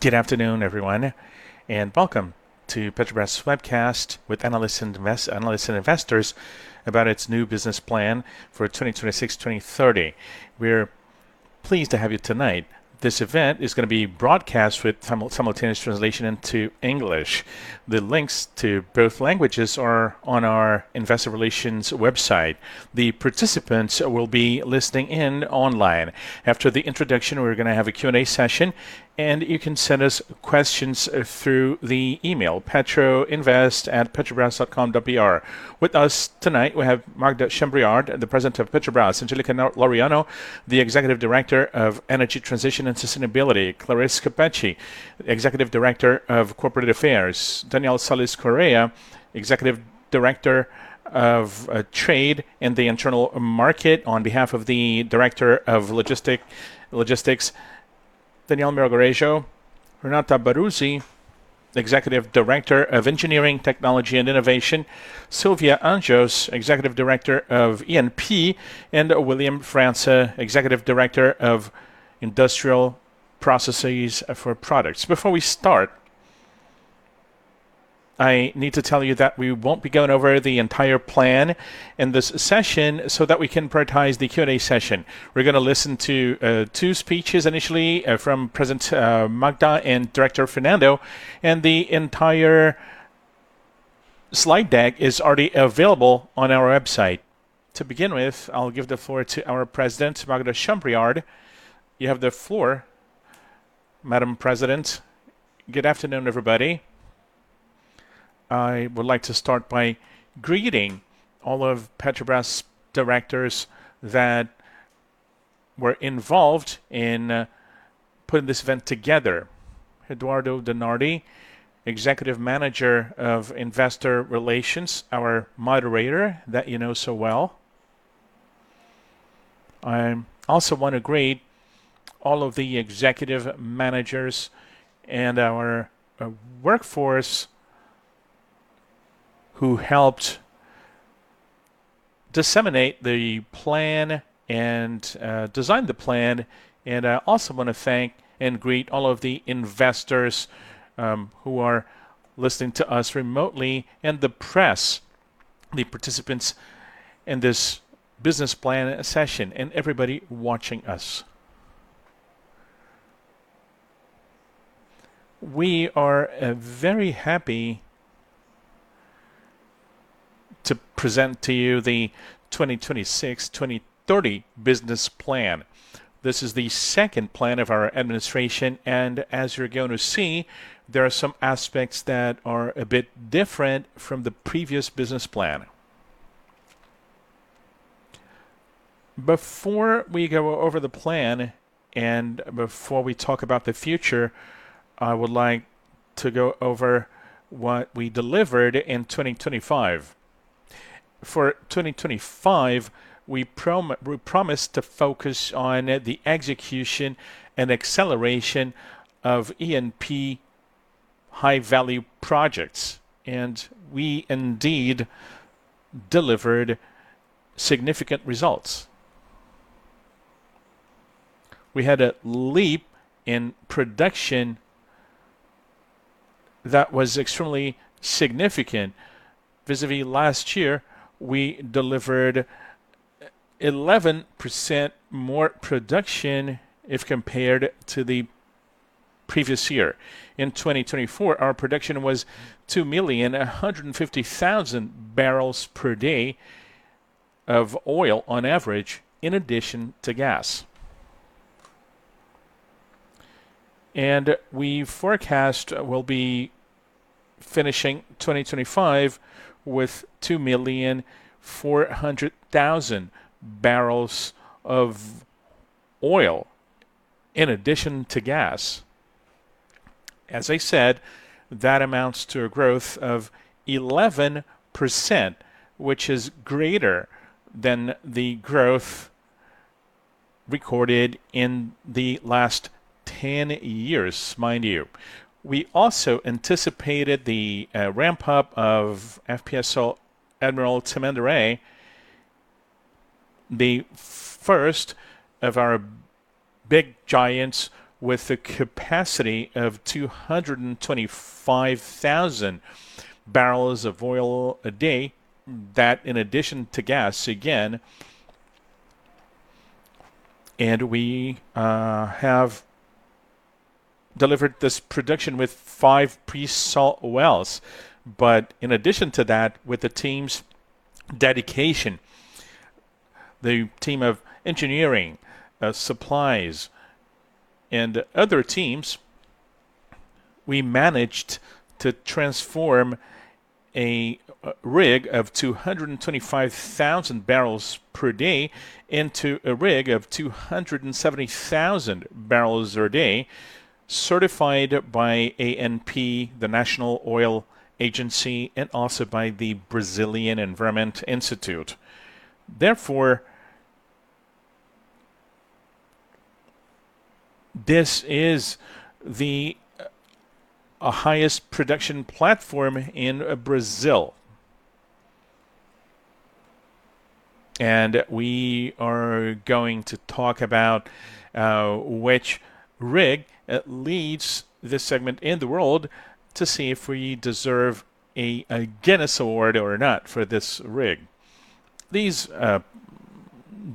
Good afternoon, everyone, and welcome to Petrobras Webcast with Analysts and Investors about its new business plan for 2026-2030. We're pleased to have you tonight. This event is going to be broadcast with simultaneous translation into English. The links to both languages are on our investor relations website. The participants will be listening in online. After the introduction, we're going to have a Q&A session, and you can send us questions through the email petroinvest@petrobras.com.br. With us tonight, we have Magda Chambriard, the President of Petrobras; Angélica Laureano, the Executive Director of Energy Transition and Sustainability; Clarice Coppetti, Executive Director of Corporate Affairs; Daniel Sales Correa, Executive Director of Trade and the Internal Market on behalf of the Director of Logistics; Danielle de Araújo; Renata Baruzzi, Executive Director of Engineering, Technology, and Innovation; Sylvia Anjos, Executive Director of E&P; and William França, Executive Director of Industrial Processes for Products. Before we start, I need to tell you that we won't be going over the entire plan in this session so that we can prioritize the Q&A session. We're going to listen to two speeches initially from President Magda and Director Fernando, and the entire slide deck is already available on our website. To begin with, I'll give the floor to our President, Magda Chambriard. You have the floor, Madam President. Good afternoon, everybody. I would like to start by greeting all of Petrobras' directors that were involved in putting this event together: Eduardo De Nardi, Executive Manager of Investor Relations, our moderator that you know so well. I also want to greet all of the executive managers and our workforce who helped disseminate the plan and design the plan. I also want to thank and greet all of the investors who are listening to us remotely and the press, the participants in this business plan session, and everybody watching us. We are very happy to present to you the 2026-2030 business plan. This is the second plan of our administration, and as you're going to see, there are some aspects that are a bit different from the previous business plan. Before we go over the plan and before we talk about the future, I would like to go over what we delivered in 2025. For 2025, we promised to focus on the execution and acceleration of E&P high-value projects, and we indeed delivered significant results. We had a leap in production that was extremely significant. Vis-à-vis last year, we delivered 11% more production if compared to the previous year. In 2024, our production was 2,150,000 barrels per day of oil on average, in addition to gas. We forecast we'll be finishing 2025 with 2.4 million barrels of oil, in addition to gas. As I said, that amounts to a growth of 11%, which is greater than the growth recorded in the last 10 years, mind you. We also anticipated the ramp-up of FPSO Almirante Tamandaré, the first of our big giants with the capacity of 225,000 barrels of oil a day, that in addition to gas, again. We have delivered this production with five pre-salt wells, but in addition to that, with the team's dedication, the team of engineering, supplies, and other teams, we managed to transform a rig of 225,000 barrels per day into a rig of 270,000 barrels a day, certified by ANP, the National Oil Agency and also by the Brazilian Environment Institute. Therefore, this is the highest production platform in Brazil. We are going to talk about which rig leads this segment in the world to see if we deserve a Guinness Award or not for this rig. These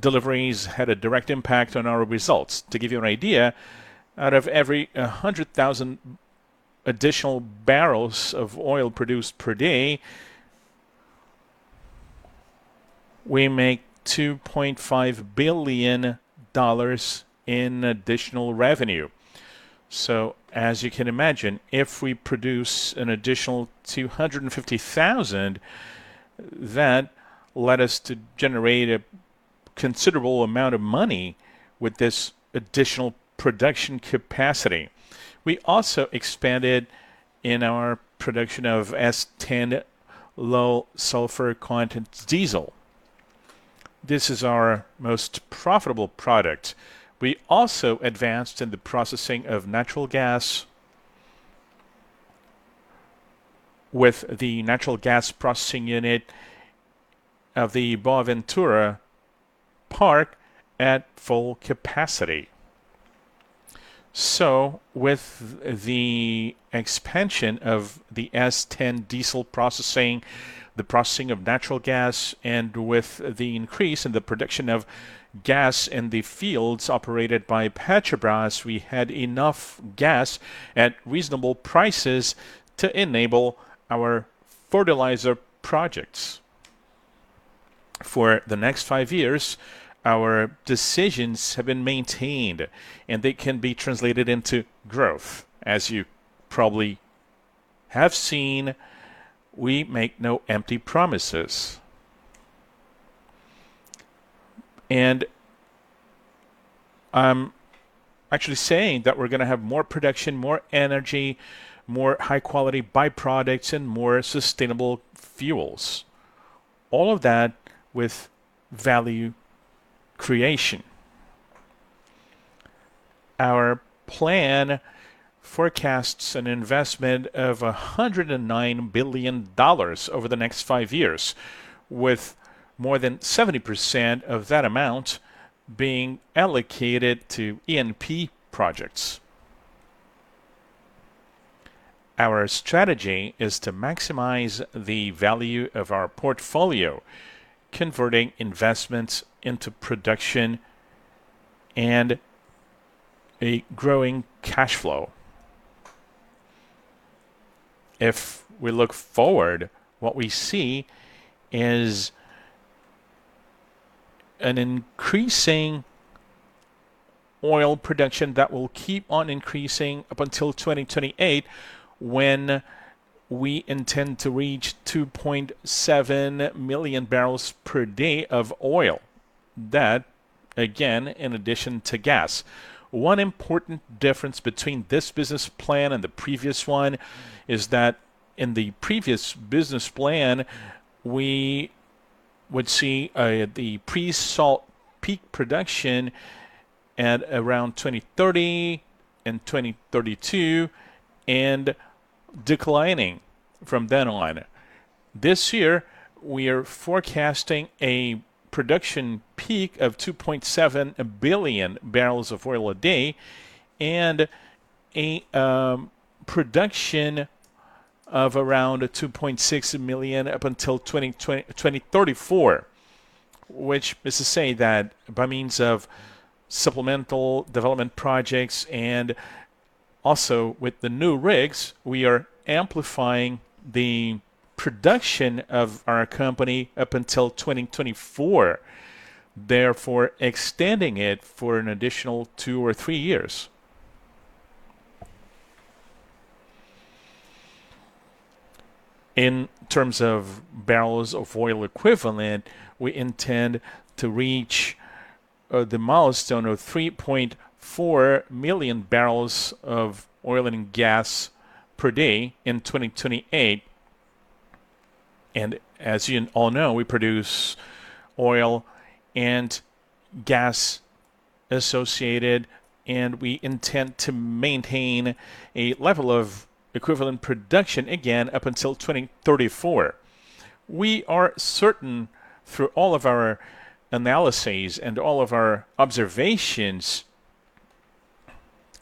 deliveries had a direct impact on our results. To give you an idea, out of every 100,000 additional barrels of oil produced per day, we make $2.5 billion in additional revenue. As you can imagine, if we produce an additional 250,000, that led us to generate a considerable amount of money with this additional production capacity. We also expanded in our production of S10 low-sulfur content diesel. This is our most profitable product. We also advanced in the processing of natural gas with the natural gas processing unit of the Boaventura Park at full capacity. With the expansion of the S10 Diesel processing, the processing of natural gas, and with the increase in the production of gas in the fields operated by Petrobras, we had enough gas at reasonable prices to enable our fertilizer projects. For the next five years, our decisions have been maintained, and they can be translated into growth. As you probably have seen, we make no empty promises. I'm actually saying that we're going to have more production, more energy, more high-quality byproducts, and more sustainable fuels. All of that with value creation. Our plan forecasts an investment of $109 billion over the next five years, with more than 70% of that amount being allocated to E&P projects. Our strategy is to maximize the value of our portfolio, converting investments into production and a growing cash flow. If we look forward, what we see is an increasing oil production that will keep on increasing up until 2028, when we intend to reach 2.7 million barrels per day of oil. That, again, in addition to gas. One important difference between this business plan and the previous one is that in the previous business plan, we would see the pre-salt peak production at around 2030 and 2032 and declining from then on. This year, we are forecasting a production peak of 2.7 million barrels of oil a day and a production of around 2.6 million up until 2034, which is to say that by means of supplemental development projects and also with the new rigs, we are amplifying the production of our company up until 2024, therefore extending it for an additional two or three years. In terms of barrels of oil equivalent, we intend to reach the milestone of 3.4 million barrels of oil and gas per day in 2028. As you all know, we produce oil and gas associated, and we intend to maintain a level of equivalent production again up until 2034. We are certain through all of our analyses and all of our observations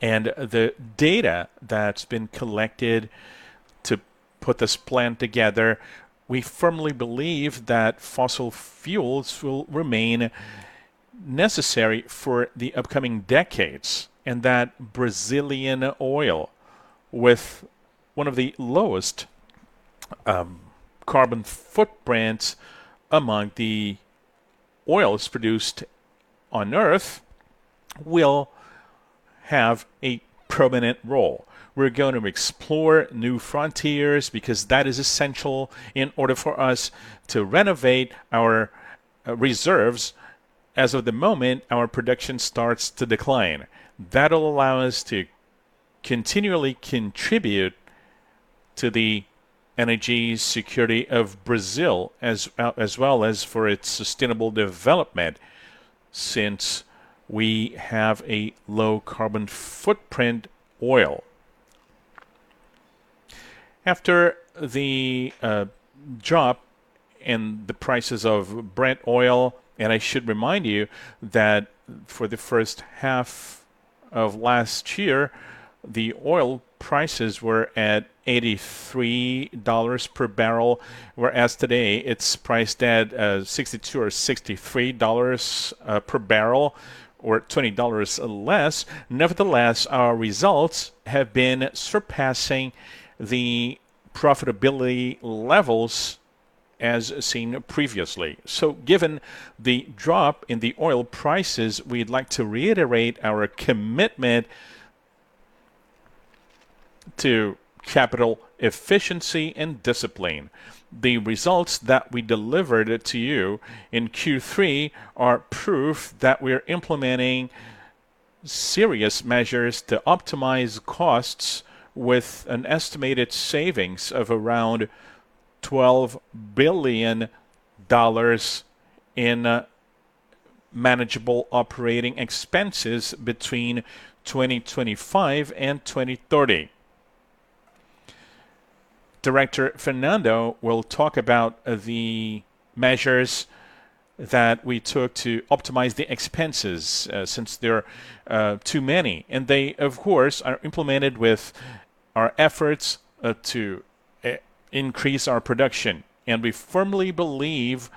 and the data that has been collected to put this plan together, we firmly believe that fossil fuels will remain necessary for the upcoming decades and that Brazilian oil, with one of the lowest carbon footprints among the oils produced on Earth, will have a prominent role. We are going to explore new frontiers because that is essential in order for us to renovate our reserves. As of the moment, our production starts to decline. That'll allow us to continually contribute to the energy security of Brazil, as well as for its sustainable development, since we have a low carbon footprint oil. After the drop in the prices of Brent oil, and I should remind you that for the first half of last year, the oil prices were at $83 per barrel, whereas today it's priced at $62 or $63 per barrel or $20 less. Nevertheless, our results have been surpassing the profitability levels as seen previously. Given the drop in the oil prices, we'd like to reiterate our commitment to capital efficiency and discipline. The results that we delivered to you in Q3 are proof that we are implementing serious measures to optimize costs with an estimated savings of around $12 billion in manageable operating expenses between 2025 and 2030. Director Fernando will talk about the measures that we took to optimize the expenses since there are too many, and they, of course, are implemented with our efforts to increase our production. We firmly believe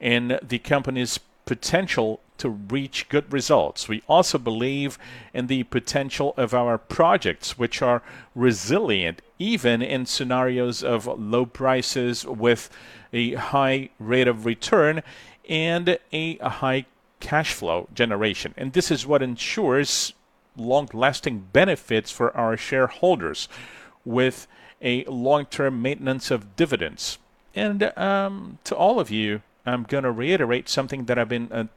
in the company's potential to reach good results. We also believe in the potential of our projects, which are resilient even in scenarios of low prices with a high rate of return and a high cash flow generation. This is what ensures long-lasting benefits for our shareholders with a long-term maintenance of dividends. To all of you, I'm going to reiterate something that I've been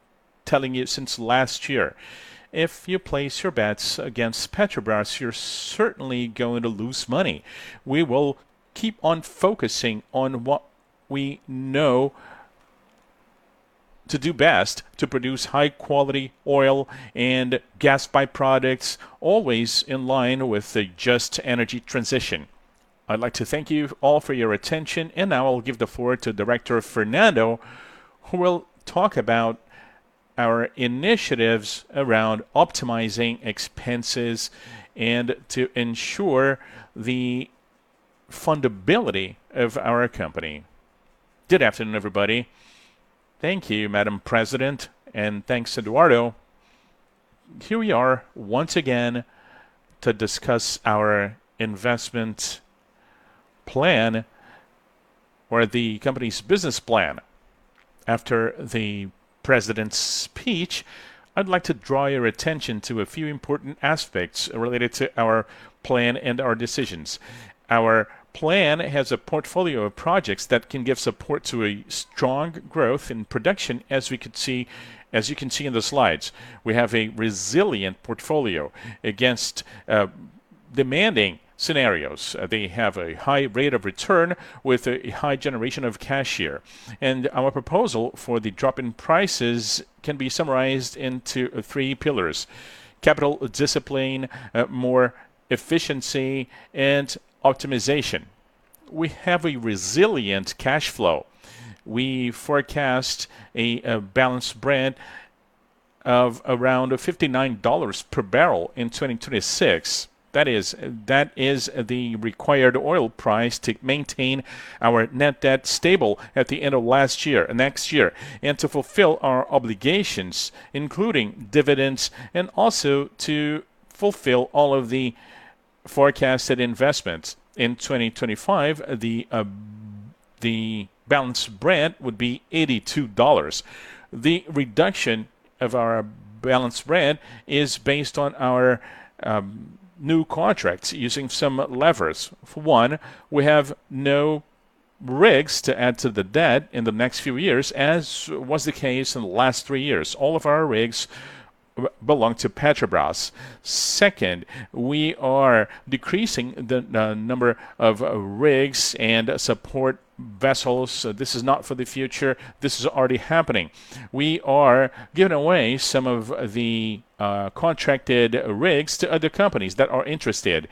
telling you since last year. If you place your bets against Petrobras, you're certainly going to lose money. We will keep on focusing on what we know to do best to produce high-quality oil and gas byproducts, always in line with a just energy transition. I'd like to thank you all for your attention, and now I'll give the floor to Director Fernando, who will talk about our initiatives around optimizing expenses and to ensure the fundability of our company. Good afternoon, everybody. Thank you, Madam President, and thanks, Eduardo. Here we are once again to discuss our investment plan or the company's business plan. After the president's speech, I'd like to draw your attention to a few important aspects related to our plan and our decisions. Our plan has a portfolio of projects that can give support to a strong growth in production, as we could see, as you can see in the slides. We have a resilient portfolio against demanding scenarios. They have a high rate of return with a high generation of cash here. Our proposal for the drop in prices can be summarized into three pillars: capital discipline, more efficiency, and optimization. We have a resilient cash flow. We forecast a balanced Brent of around $59 per barrel in 2026. That is the required oil price to maintain our net debt stable at the end of last year and next year, and to fulfill our obligations, including dividends, and also to fulfill all of the forecasted investments. In 2025, the balanced Brent would be $82. The reduction of our balanced Brent is based on our new contracts using some levers. For one, we have no rigs to add to the debt in the next few years, as was the case in the last three years. All of our rigs belong to Petrobras. Second, we are decreasing the number of rigs and support vessels. This is not for the future. This is already happening. We are giving away some of the contracted rigs to other companies that are interested.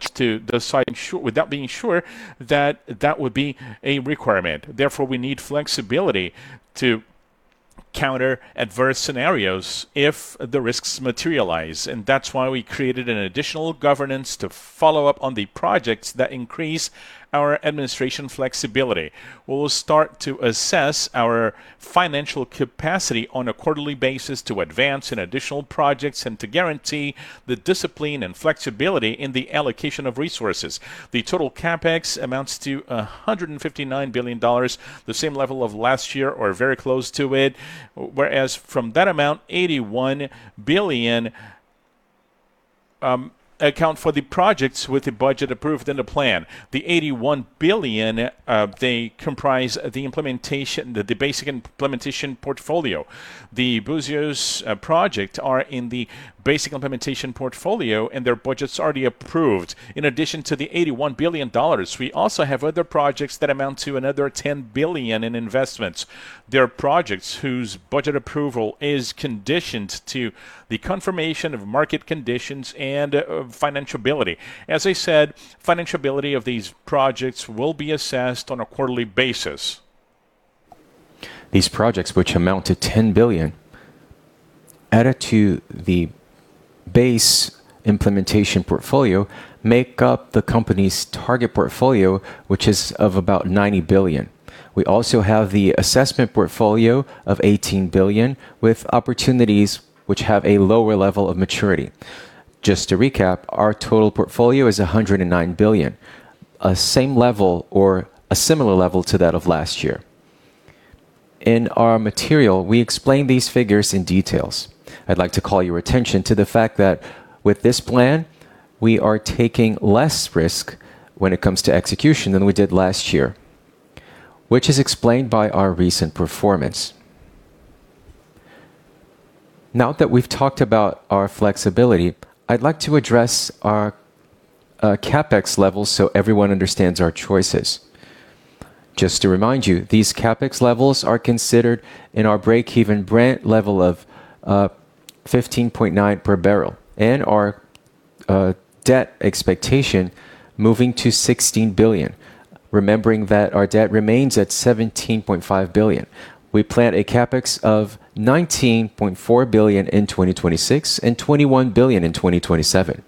To the site ensure, without being sure that that would be a requirement. Therefore, we need flexibility to counter adverse scenarios if the risks materialize. That is why we created an additional governance to follow up on the projects that increase our administration flexibility. We will start to assess our financial capacity on a quarterly basis to advance in additional projects and to guarantee the discipline and flexibility in the allocation of resources. The total CapEx amounts to $159 billion, the same level of last year or very close to it, whereas from that amount, $81 billion accounts for the projects with the budget approved in the plan. The $81 billion comprises the implementation, the basic implementation portfolio. The Búzios projects are in the basic implementation portfolio, and their budgets are already approved. In addition to the $81 billion, we also have other projects that amount to another $10 billion in investments. There are projects whose budget approval is conditioned to the confirmation of market conditions and financial ability. As I said, financial ability of these projects will be assessed on a quarterly basis. These projects, which amount to $10 billion, added to the base implementation portfolio, make up the company's target portfolio, which is of about $90 billion. We also have the assessment portfolio of $18 billion, with opportunities which have a lower level of maturity. Just to recap, our total portfolio is $109 billion, a same level or a similar level to that of last year. In our material, we explain these figures in detail. I'd like to call your attention to the fact that with this plan, we are taking less risk when it comes to execution than we did last year, which is explained by our recent performance. Now that we've talked about our flexibility, I'd like to address our CapEx levels so everyone understands our choices. Just to remind you, these CapEx levels are considered in our break-even Brent level of $15.9 per barrel and our debt expectation moving to $16 billion, remembering that our debt remains at $17.5 billion. We plan a CapEx of $19.4 billion in 2026 and $21 billion in 2027.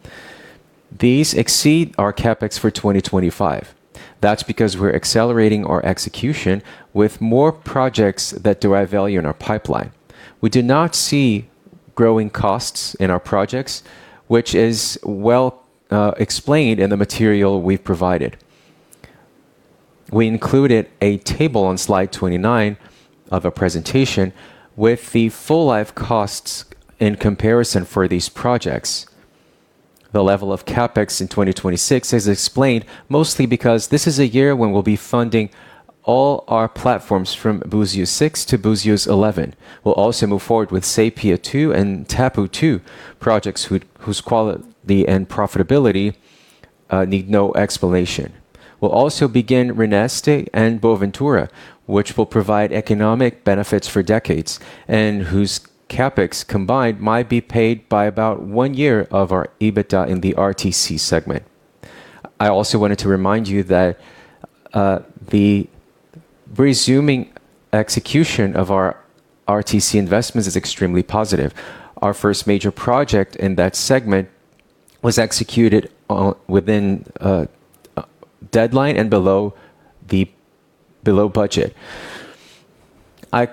These exceed our CapEx for 2025. That's because we're accelerating our execution with more projects that derive value in our pipeline. We do not see growing costs in our projects, which is well explained in the material we've provided. We included a table on slide 29 of a presentation with the full life costs in comparison for these projects. The level of CapEx in 2026 is explained mostly because this is a year when we'll be funding all our platforms from Búzios 6 to Búzios 11. We'll also move forward with Sépia 2 and Atapu 2 projects whose quality and profitability need no explanation. We'll also begin RNEST and Boaventura, which will provide economic benefits for decades and whose CapEx combined might be paid by about one year of our EBITDA in the RTC segment. I also wanted to remind you that the resuming execution of our RTC investments is extremely positive. Our first major project in that segment was executed within deadline and below budget. I'd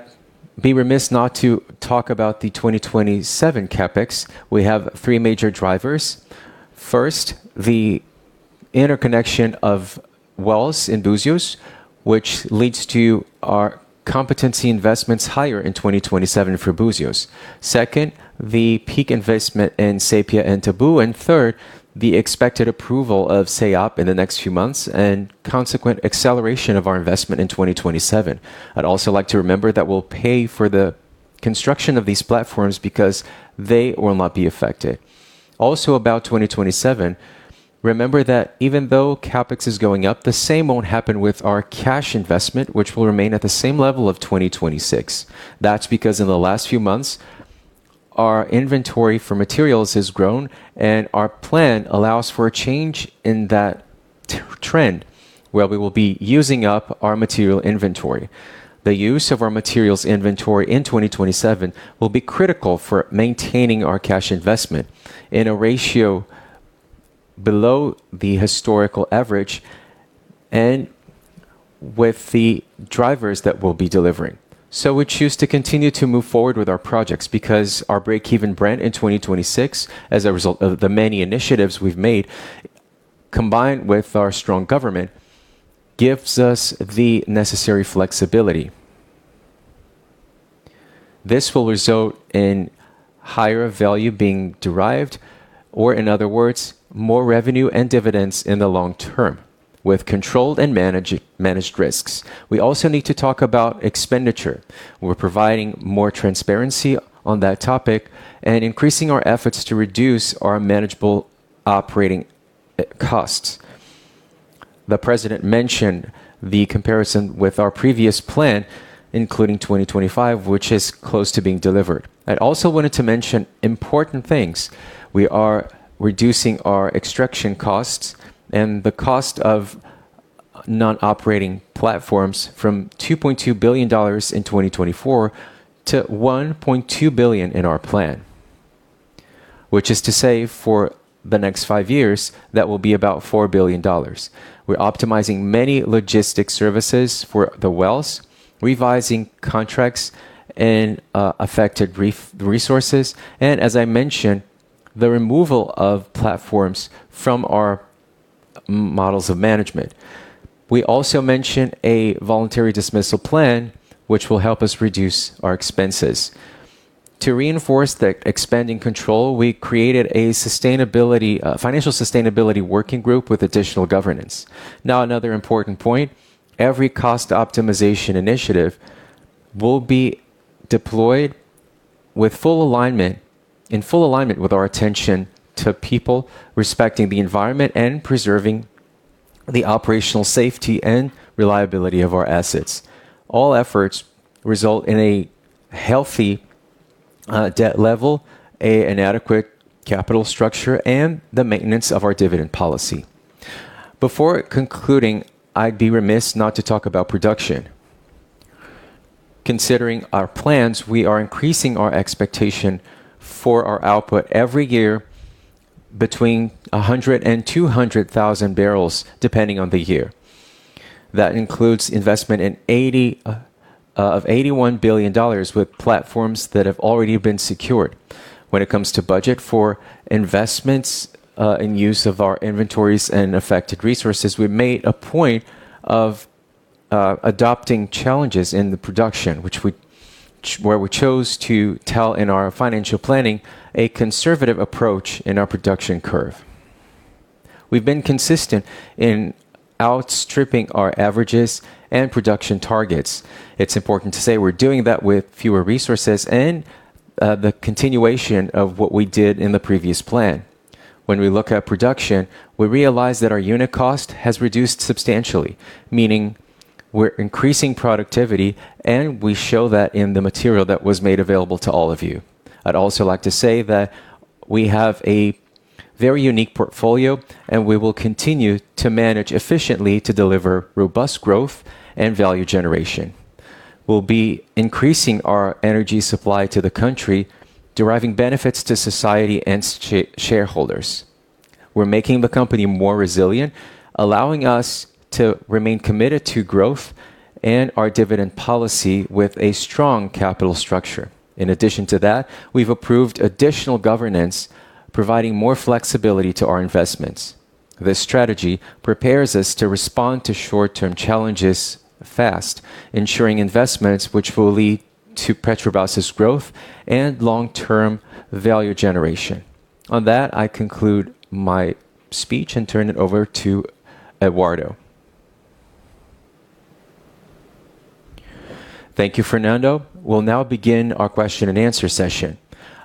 be remiss not to talk about the 2027 CapEx. We have three major drivers. First, the interconnection of wells in Búzios, which leads to our competency investments higher in 2027 for Búzios. Second, the peak investment in Sépia and Atapu, and third, the expected approval of SEAP in the next few months and consequent acceleration of our investment in 2027. I'd also like to remember that we'll pay for the construction of these platforms because they will not be affected. Also about 2027, remember that even though CapEx is going up, the same won't happen with our cash investment, which will remain at the same level of 2026. That's because in the last few months, our inventory for materials has grown and our plan allows for a change in that trend where we will be using up our material inventory. The use of our materials inventory in 2027 will be critical for maintaining our cash investment in a ratio below the historical average and with the drivers that we'll be delivering. We choose to continue to move forward with our projects because our break-even Brent in 2026, as a result of the many initiatives we've made, combined with our strong government, gives us the necessary flexibility. This will result in higher value being derived, or in other words, more revenue and dividends in the long term with controlled and managed risks. We also need to talk about expenditure. We're providing more transparency on that topic and increasing our efforts to reduce our manageable operating costs. The President mentioned the comparison with our previous plan, including 2025, which is close to being delivered. I also wanted to mention important things. We are reducing our extraction costs and the cost of non-operating platforms from $2.2 billion in 2024 to $1.2 billion in our plan, which is to say for the next five years, that will be about $4 billion. We're optimizing many logistic services for the wells, revising contracts and affected resources, and as I mentioned, the removal of platforms from our models of management. We also mentioned a voluntary dismissal plan, which will help us reduce our expenses. To reinforce the expanding control, we created a financial sustainability working group with additional governance. Now, another important point, every cost optimization initiative will be deployed with full alignment, in full alignment with our attention to people, respecting the environment and preserving the operational safety and reliability of our assets. All efforts result in a healthy debt level, an adequate capital structure, and the maintenance of our dividend policy. Before concluding, I'd be remiss not to talk about production. Considering our plans, we are increasing our expectation for our output every year between 100,000 and 200,000 barrels, depending on the year. That includes investment in $81 billion with platforms that have already been secured. When it comes to budget for investments and use of our inventories and affected resources, we made a point of adopting challenges in the production, which we chose to tell in our financial planning a conservative approach in our production curve. We've been consistent in outstripping our averages and production targets. It's important to say we're doing that with fewer resources and the continuation of what we did in the previous plan. When we look at production, we realize that our unit cost has reduced substantially, meaning we're increasing productivity, and we show that in the material that was made available to all of you. I'd also like to say that we have a very unique portfolio, and we will continue to manage efficiently to deliver robust growth and value generation. We'll be increasing our energy supply to the country, deriving benefits to society and shareholders. We're making the company more resilient, allowing us to remain committed to growth and our dividend policy with a strong capital structure. In addition to that, we've approved additional governance, providing more flexibility to our investments. This strategy prepares us to respond to short-term challenges fast, ensuring investments which will lead to Petrobras's growth and long-term value generation. On that, I conclude my speech and turn it over to Eduardo. Thank you, Fernando. We'll now begin our question and answer session.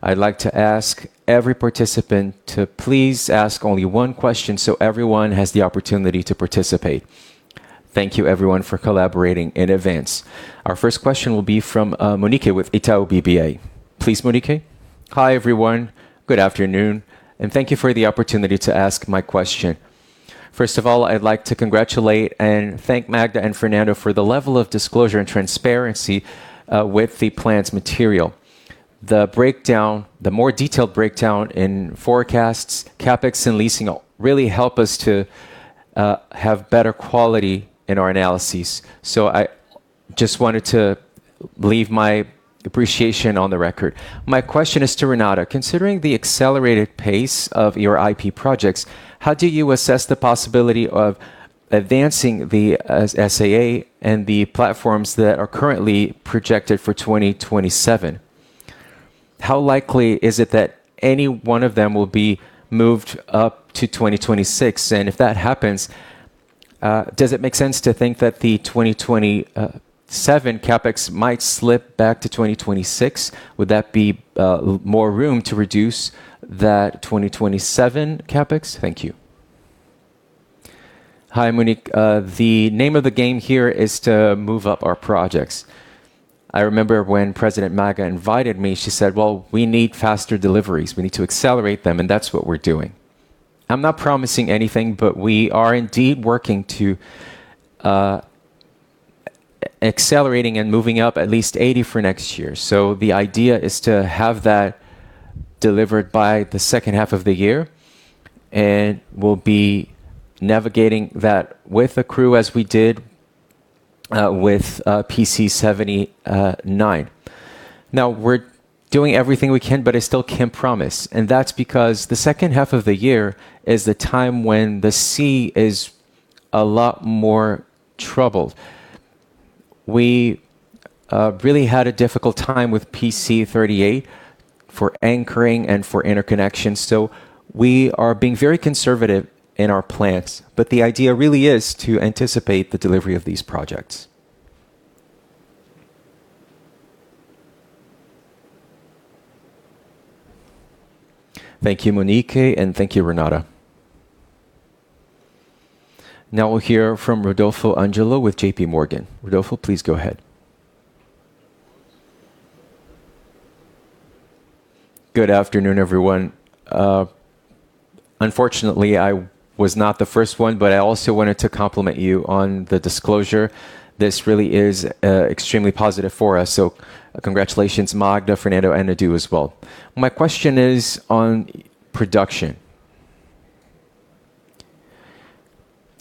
I'd like to ask every participant to please ask only one question so everyone has the opportunity to participate. Thank you, everyone, for collaborating in advance. Our first question will be from Monique with Itaú BBA. Please, Monique. Hi everyone, good afternoon, and thank you for the opportunity to ask my question. First of all, I'd like to congratulate and thank Magda and Fernando for the level of disclosure and transparency with the plan's material. The more detailed breakdown in forecasts, CapEx, and leasing really help us to have better quality in our analyses. I just wanted to leave my appreciation on the record. My question is to Renata. Considering the accelerated pace of your IP projects, how do you assess the possibility of advancing the SAA and the platforms that are currently projected for 2027? How likely is it that any one of them will be moved up to 2026? If that happens, does it make sense to think that the 2027 CapEx might slip back to 2026? Would that be more room to reduce that 2027 CapEx? Thank you. Hi, Monique. The name of the game here is to move up our projects. I remember when President Magda invited me, she said, "Well, we need faster deliveries. We need to accelerate them, and that's what we're doing." I'm not promising anything, but we are indeed working to accelerating and moving up at least 80 for next year. The idea is to have that delivered by the second half of the year, and we'll be navigating that with a crew as we did with PC-79. Now, we're doing everything we can, but I still can't promise. That is because the second half of the year is the time when the sea is a lot more troubled. We really had a difficult time with P-38 for anchoring and for interconnection. We are being very conservative in our plans, but the idea really is to anticipate the delivery of these projects. Thank you, Monique, and thank you, Renata. Now we'll hear from Rodolfo Angelo with JPMorgan. Rodolfo, please go ahead. Good afternoon, everyone. Unfortunately, I was not the first one, but I also wanted to compliment you on the disclosure. This really is extremely positive for us. Congratulations, Magda, Fernando, and Edu as well. My question is on production.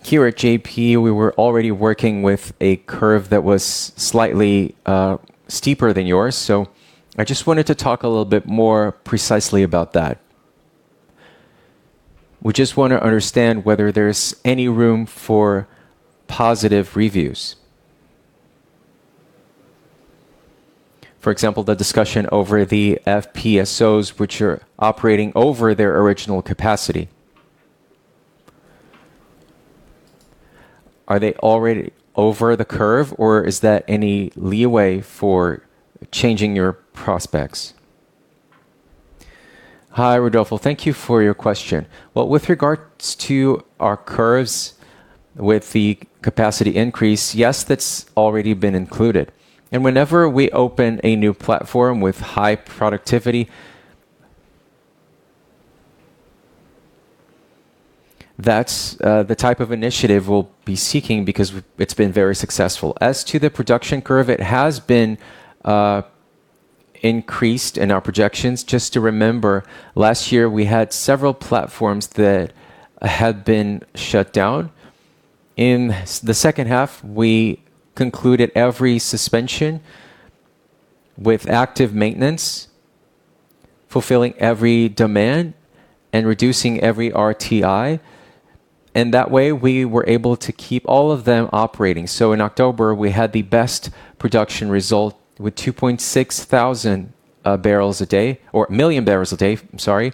Here at JP, we were already working with a curve that was slightly steeper than yours, so I just wanted to talk a little bit more precisely about that. We just want to understand whether there's any room for positive reviews. For example, the discussion over the FPSOs, which are operating over their original capacity. Are they already over the curve, or is that any leeway for changing your prospects? Hi, Rodolfo. Thank you for your question. With regards to our curves with the capacity increase, yes, that's already been included. Whenever we open a new platform with high productivity, that's the type of initiative we'll be seeking because it's been very successful. As to the production curve, it has been increased in our projections. Just to remember, last year we had several platforms that had been shut down. In the second half, we concluded every suspension with active maintenance, fulfilling every demand and reducing every RTI. That way, we were able to keep all of them operating. In October, we had the best production result with 2,600 barrels a day, or a million barrels a day, sorry.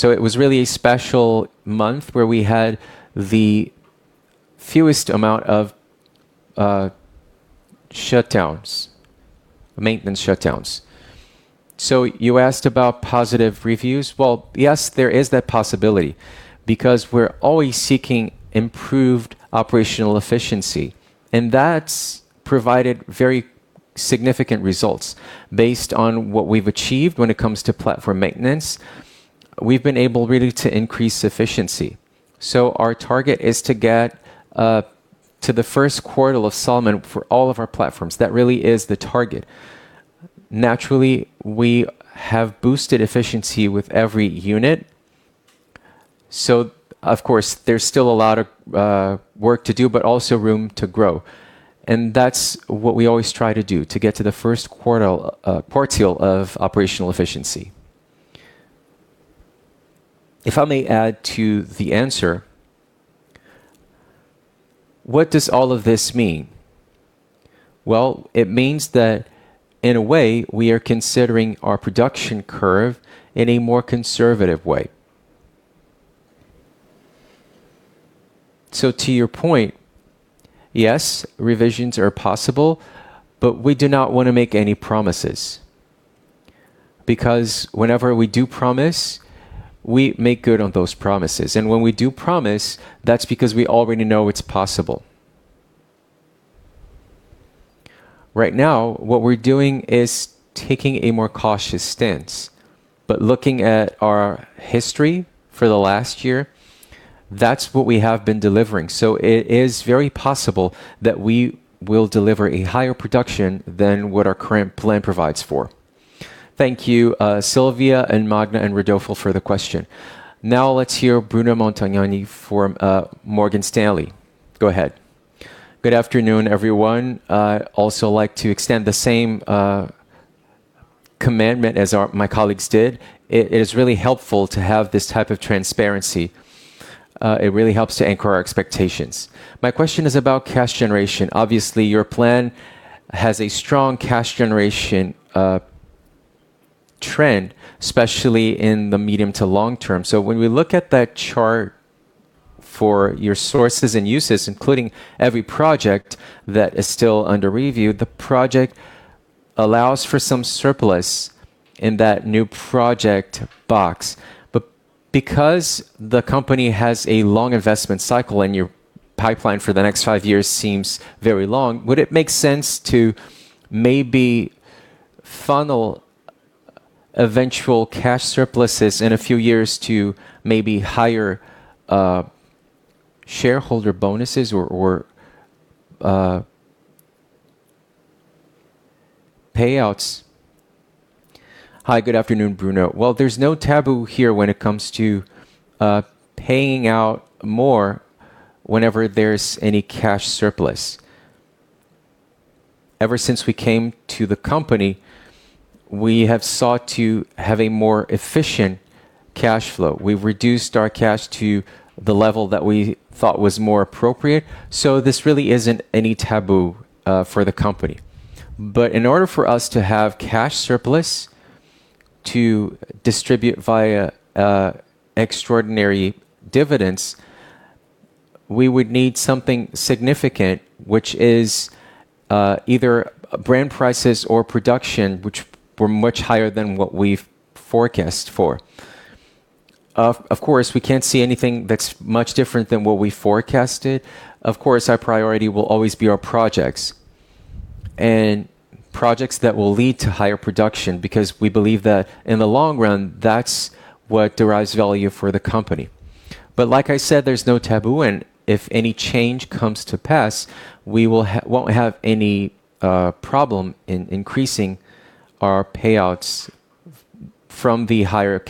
It was really a special month where we had the fewest amount of shutdowns, maintenance shutdowns. You asked about positive reviews. Yes, there is that possibility because we're always seeking improved operational efficiency, and that's provided very significant results based on what we've achieved when it comes to platform maintenance. We've been able really to increase efficiency. Our target is to get to the first quartile for all of our platforms. That really is the target. Naturally, we have boosted efficiency with every unit. Of course, there's still a lot of work to do, but also room to grow. That's what we always try to do, to get to the first quartile of operational efficiency. If I may add to the answer, what does all of this mean? It means that in a way, we are considering our production curve in a more conservative way. To your point, yes, revisions are possible, but we do not want to make any promises because whenever we do promise, we make good on those promises. When we do promise, that's because we already know it's possible. Right now, what we're doing is taking a more cautious stance, but looking at our history for the last year, that's what we have been delivering. It is very possible that we will deliver a higher production than what our current plan provides for. Thank you, Sylvia and Magda and Rodolfo for the question. Now let's hear Bruno Montanari from Morgan Stanley. Go ahead. Good afternoon, everyone. I'd also like to extend the same commendment as my colleagues did. It is really helpful to have this type of transparency. It really helps to anchor our expectations. My question is about cash generation. Obviously, your plan has a strong cash generation trend, especially in the medium to long term. When we look at that chart for your sources and uses, including every project that is still under review, the project allows for some surplus in that new project box. Because the company has a long investment cycle and your pipeline for the next five years seems very long, would it make sense to maybe funnel eventual cash surpluses in a few years to maybe higher shareholder bonuses or payouts? Hi, good afternoon, Bruno. There is no taboo here when it comes to paying out more whenever there is any cash surplus. Ever since we came to the company, we have sought to have a more efficient cash flow. We've reduced our cash to the level that we thought was more appropriate. This really isn't any taboo for the company. In order for us to have cash surplus to distribute via extraordinary dividends, we would need something significant, which is either Brent prices or production, which were much higher than what we've forecast for. Of course, we can't see anything that's much different than what we forecasted. Our priority will always be our projects and projects that will lead to higher production because we believe that in the long run, that's what derives value for the company. Like I said, there's no taboo, and if any change comes to pass, we won't have any problem in increasing our payouts from the higher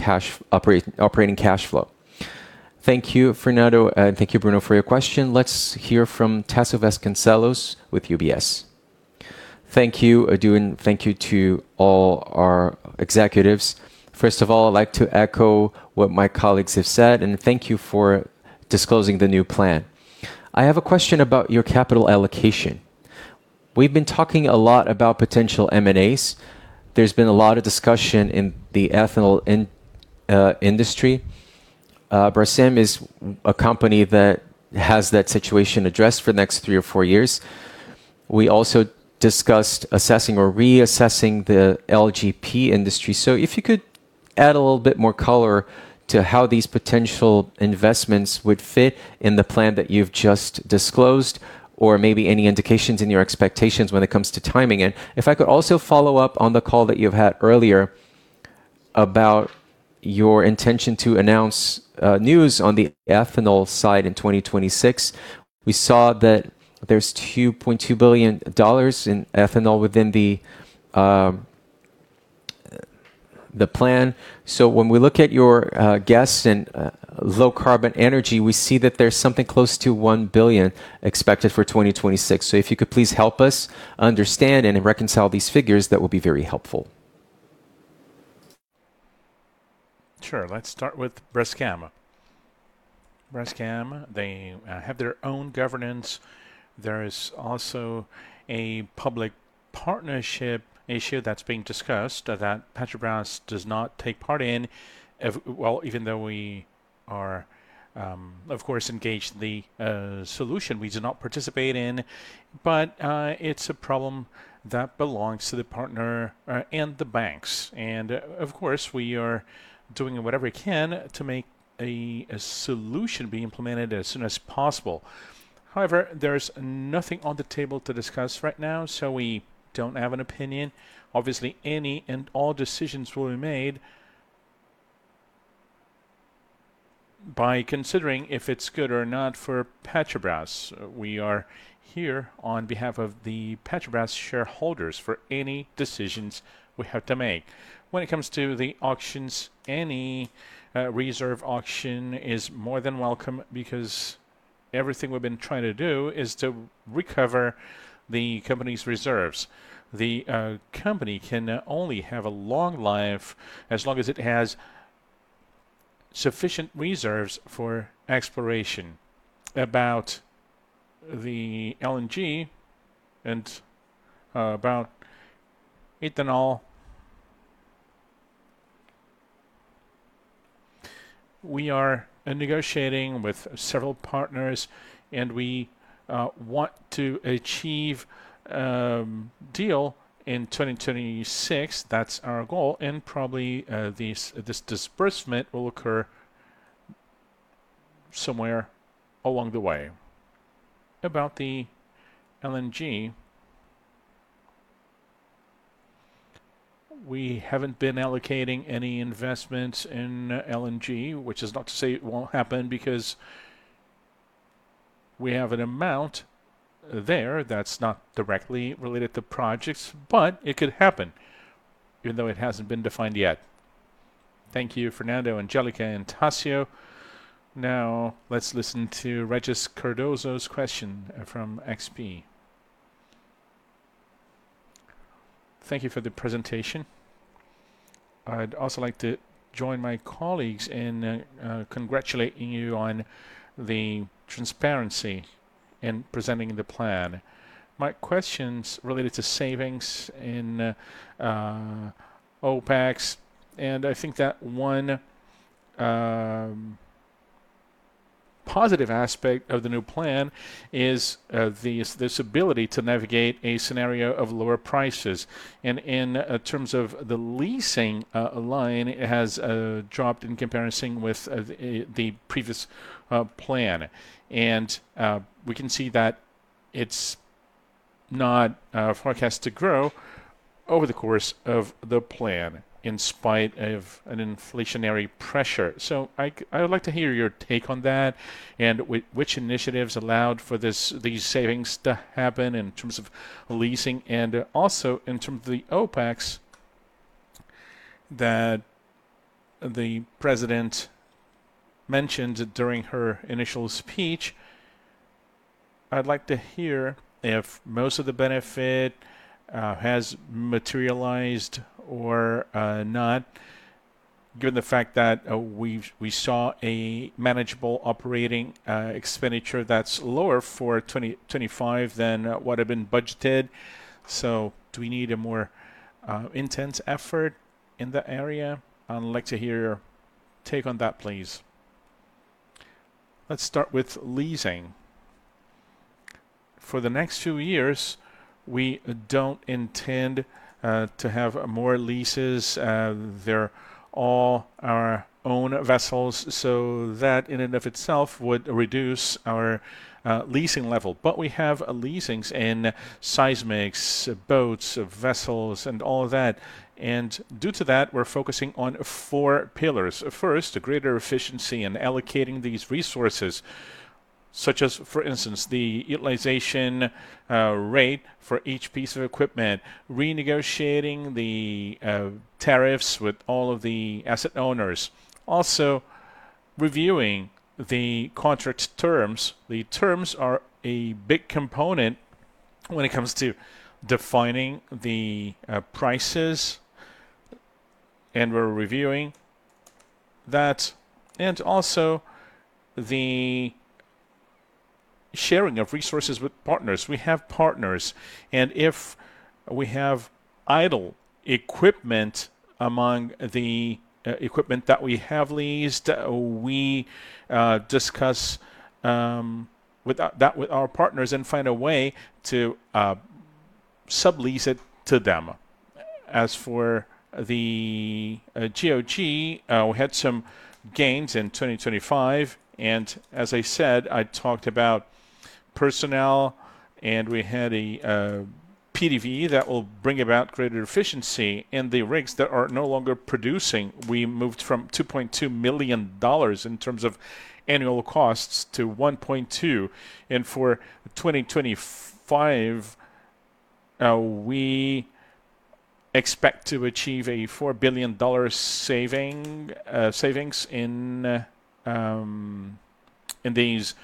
operating cash flow. Thank you, Fernando, and thank you, Bruno, for your question. Let's hear from Tasso Vasconcellos with UBS. Thank you, Edu, and thank you to all our executives. First of all, I'd like to echo what my colleagues have said, and thank you for disclosing the new plan. I have a question about your capital allocation. We've been talking a lot about potential M&As. There's been a lot of discussion in the ethanol industry. Braskem is a company that has that situation addressed for the next three or four years. We also discussed assessing or reassessing the LPG industry. If you could add a little bit more color to how these potential investments would fit in the plan that you've just disclosed, or maybe any indications in your expectations when it comes to timing it. If I could also follow up on the call that you've had earlier about your intention to announce news on the ethanol side in 2026, we saw that there's $2.2 billion in ethanol within the plan. So when we look at your guests and low carbon energy, we see that there's something close to $1 billion expected for 2026. If you could please help us understand and reconcile these figures, that would be very helpful. Sure. Let's start with Braskem. Braskem, they have their own governance. There is also a public partnership issue that's being discussed that Petrobras does not take part in. Even though we are, of course, engaged in the solution, we do not participate in. It's a problem that belongs to the partner and the banks. Of course, we are doing whatever we can to make a solution be implemented as soon as possible. However, there is nothing on the table to discuss right now, so we do not have an opinion. Obviously, any and all decisions will be made by considering if it is good or not for Petrobras. We are here on behalf of the Petrobras shareholders for any decisions we have to make. When it comes to the auctions, any reserve auction is more than welcome because everything we have been trying to do is to recover the company's reserves. The company can only have a long life as long as it has sufficient reserves for exploration. About the LNG and about ethanol, we are negotiating with several partners, and we want to achieve a deal in 2026. That is our goal, and probably this disbursement will occur somewhere along the way. About the LNG, we have not been allocating any investments in LNG, which is not to say it will not happen because we have an amount there that is not directly related to projects, but it could happen, even though it has not been defined yet. Thank you, Fernando, Angélica, and Tasso. Now, let's listen to Regis Cardoso's question from XP. Thank you for the presentation. I would also like to join my colleagues in congratulating you on the transparency in presenting the plan. My question is related to savings in OpEx, and I think that one positive aspect of the new plan is this ability to navigate a scenario of lower prices. In terms of the leasing line, it has dropped in comparison with the previous plan. We can see that it is not forecast to grow over the course of the plan in spite of inflationary pressure. I would like to hear your take on that and which initiatives allowed for these savings to happen in terms of leasing and also in terms of the OpEx that the president mentioned during her initial speech. I'd like to hear if most of the benefit has materialized or not, given the fact that we saw a manageable operating expenditure that's lower for 2025 than what had been budgeted. Do we need a more intense effort in the area? I'd like to hear your take on that, please. Let's start with leasing. For the next few years, we don't intend to have more leases. They're all our own vessels, so that in and of itself would reduce our leasing level. We have leasings in seismics, boats, vessels, and all that. Due to that, we're focusing on four pillars. First, greater efficiency in allocating these resources, such as, for instance, the utilization rate for each piece of equipment, renegotiating the tariffs with all of the asset owners, also reviewing the contract terms. The terms are a big component when it comes to defining the prices, and we're reviewing that, and also the sharing of resources with partners. We have partners, and if we have idle equipment among the equipment that we have leased, we discuss that with our partners and find a way to sublease it to them. As for the TOT, we had some gains in 2025, and as I said, I talked about personnel, and we had a PDV that will bring about greater efficiency in the rigs that are no longer producing. We moved from $2.2 million in terms of annual costs to $1.2 million. For 2025, we expect to achieve a $4 billion savings in these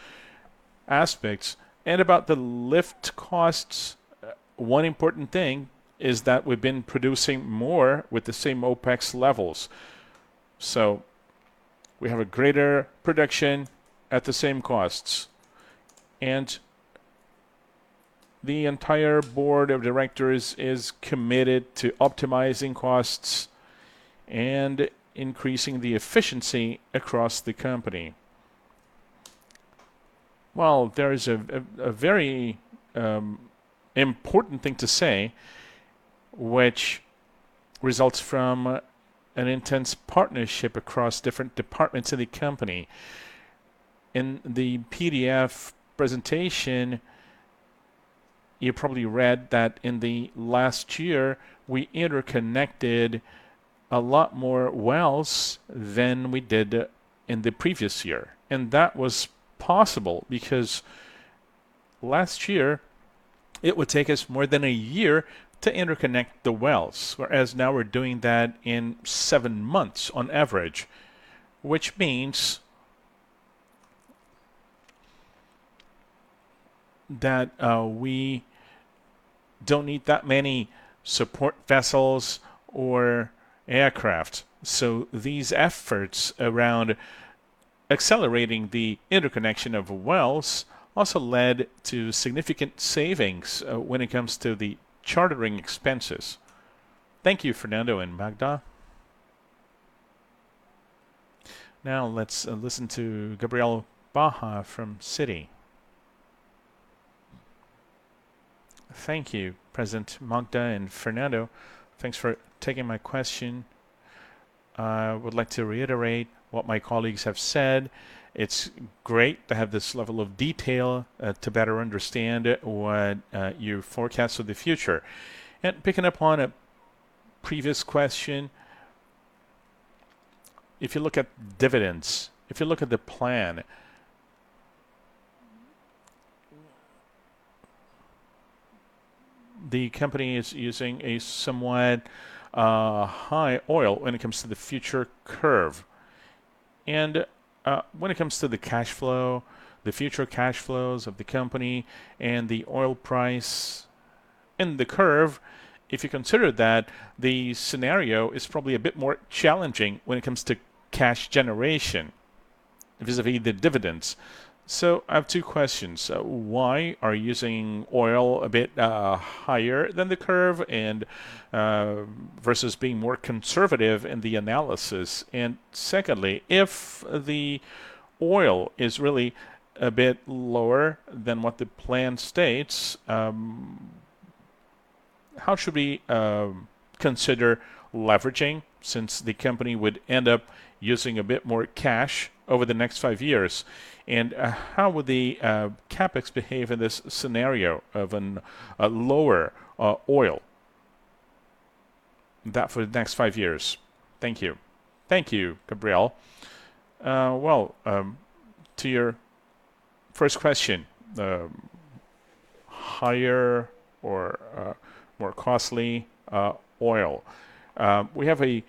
aspects. About the lift costs, one important thing is that we've been producing more with the same OpEx levels. We have a greater production at the same costs. The entire Board of Directors is committed to optimizing costs and increasing the efficiency across the company. There is a very important thing to say, which results from an intense partnership across different departments of the company. In the PDF presentation, you probably read that in the last year, we interconnected a lot more wells than we did in the previous year. That was possible because last year, it would take us more than a year to interconnect the wells, whereas now we're doing that in seven months on average, which means that we do not need that many support vessels or aircraft. These efforts around accelerating the interconnection of wells also led to significant savings when it comes to the chartering expenses. Thank you, Fernando and Magda. Now, let's listen to Gabriel Barra from Citi. Thank you, President Magda and Fernando. Thanks for taking my question. I would like to reiterate what my colleagues have said. It's great to have this level of detail to better understand what you forecast for the future. Picking up on a previous question, if you look at dividends, if you look at the plan, the company is using a somewhat high oil when it comes to the future curve. When it comes to the cash flow, the future cash flows of the company and the oil price in the curve, if you consider that, the scenario is probably a bit more challenging when it comes to cash generation vis-à-vis the dividends. I have two questions. Why are you using oil a bit higher than the curve versus being more conservative in the analysis? Secondly, if the oil is really a bit lower than what the plan states, how should we consider leveraging since the company would end up using a bit more cash over the next five years? How would the CapEx behave in this scenario of a lower oil for the next five years? Thank you. Thank you, Gabriel. To your first question, higher or more costly oil. We have a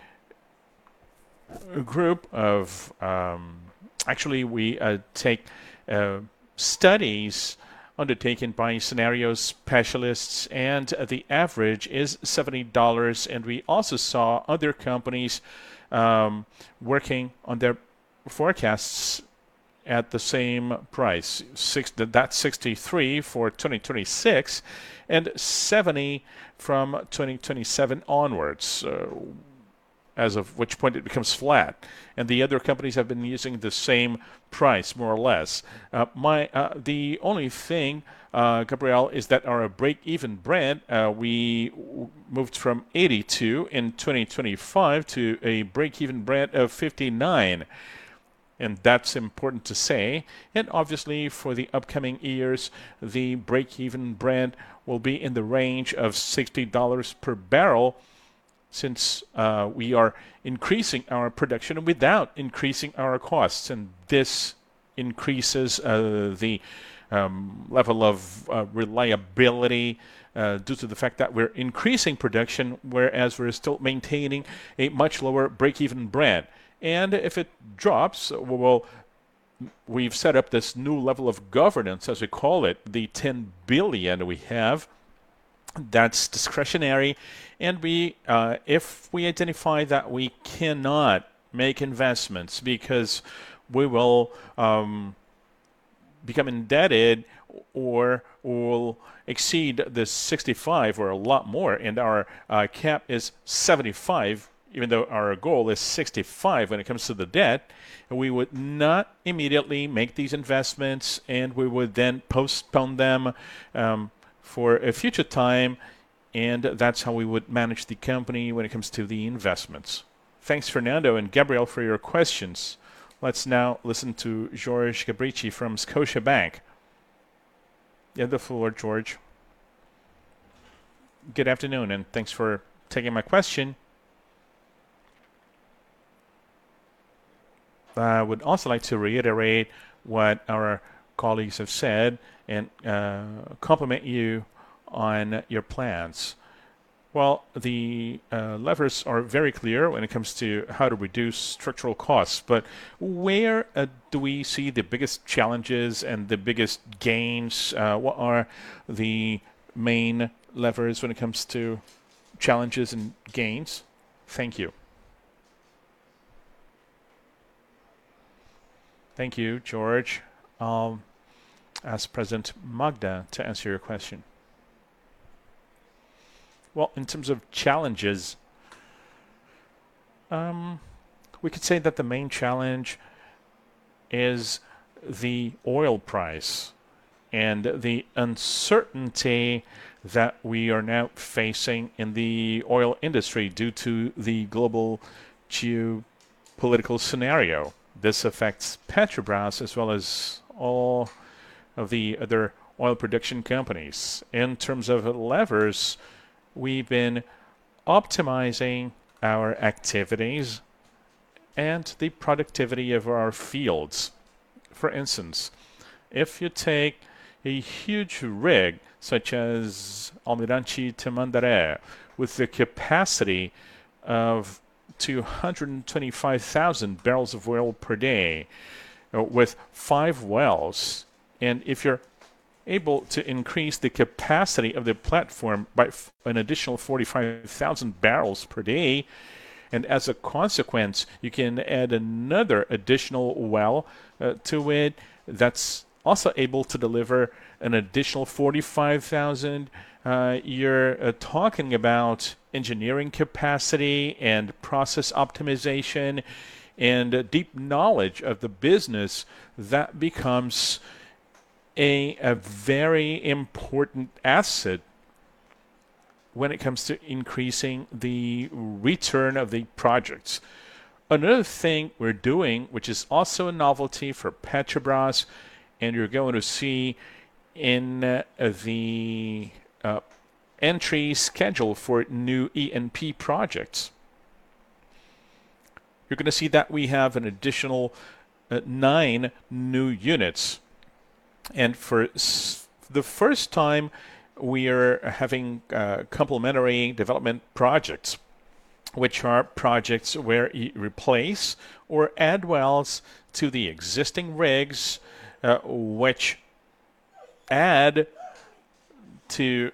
group of, actually, we take studies undertaken by scenario specialists, and the average is $70. We also saw other companies working on their forecasts at the same price, that $63 for 2026 and $70 from 2027 onwards, as of which point it becomes flat. The other companies have been using the same price, more or less. The only thing, Gabriel, is that our break-even Brent, we moved from $82 in 2025 to a break-even Brent of $59. That is important to say. Obviously, for the upcoming years, the break-even Brent will be in the range of $60 per barrel since we are increasing our production without increasing our costs. This increases the level of reliability due to the fact that we're increasing production, whereas we're still maintaining a much lower break-even Brent. If it drops, we've set up this new level of governance, as we call it, the $10 billion we have. That's discretionary. If we identify that we cannot make investments because we will become indebted or will exceed the 65 or a lot more, and our cap is 75, even though our goal is 65 when it comes to the debt, we would not immediately make these investments, and we would then postpone them for a future time. That is how we would manage the company when it comes to the investments. Thanks, Fernando and Gabriel, for your questions. Let's now listen to Jorge Gabrich from Scotiabank. You have the floor, Jorge. Good afternoon, and thanks for taking my question. I would also like to reiterate what our colleagues have said and compliment you on your plans. The levers are very clear when it comes to how to reduce structural costs. Where do we see the biggest challenges and the biggest gains? What are the main levers when it comes to challenges and gains? Thank you. Thank you, Jorge. I'll ask President Magda to answer your question. In terms of challenges, we could say that the main challenge is the oil price and the uncertainty that we are now facing in the oil industry due to the global geopolitical scenario. This affects Petrobras as well as all of the other oil production companies. In terms of levers, we've been optimizing our activities and the productivity of our fields. For instance, if you take a huge rig such as Almirante Tamandaré with the capacity of 225,000 barrels of oil per day with five wells, and if you're able to increase the capacity of the platform by an additional 45,000 barrels per day, and as a consequence, you can add another additional well to it that's also able to deliver an additional 45,000, you're talking about engineering capacity and process optimization and deep knowledge of the business that becomes a very important asset when it comes to increasing the return of the projects. Another thing we're doing, which is also a novelty for Petrobras, and you're going to see in the entry schedule for new E&P projects, you're going to see that we have an additional nine new units. For the first time, we are having complementary development projects, which are projects where you replace or add wells to the existing rigs, which add to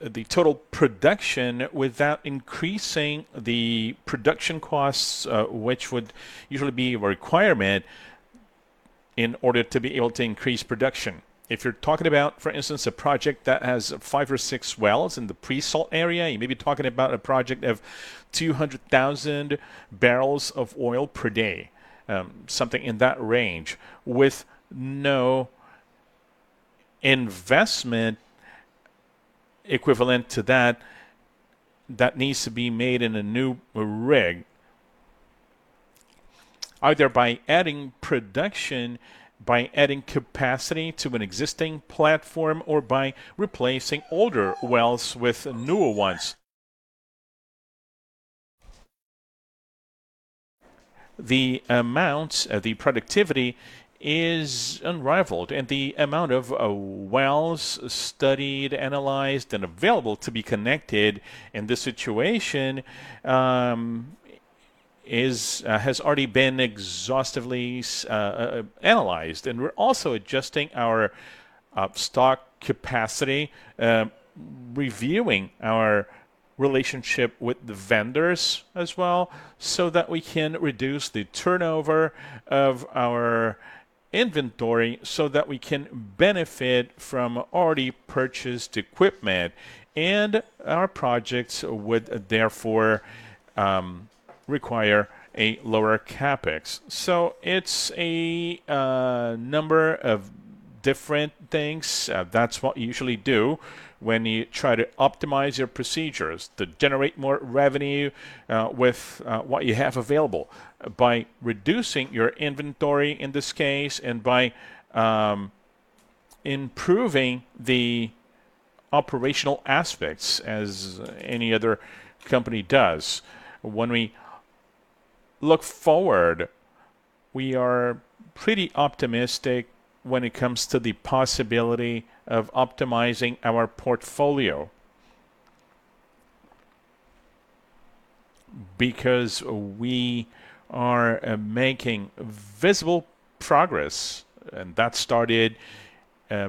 the total production without increasing the production costs, which would usually be a requirement in order to be able to increase production. If you're talking about, for instance, a project that has five or six wells in the pre-salt area, you may be talking about a project of 200,000 barrels of oil per day, something in that range, with no investment equivalent to that that needs to be made in a new rig, either by adding production, by adding capacity to an existing platform, or by replacing older wells with newer ones. The amount of the productivity is unrivaled, and the amount of wells studied, analyzed, and available to be connected in this situation has already been exhaustively analyzed. We are also adjusting our stock capacity, reviewing our relationship with the vendors as well so that we can reduce the turnover of our inventory so that we can benefit from already purchased equipment. Our projects would therefore require a lower CapEx. It is a number of different things. That is what you usually do when you try to optimize your procedures to generate more revenue with what you have available by reducing your inventory in this case and by improving the operational aspects as any other company does. When we look forward, we are pretty optimistic when it comes to the possibility of optimizing our portfolio because we are making visible progress, and that started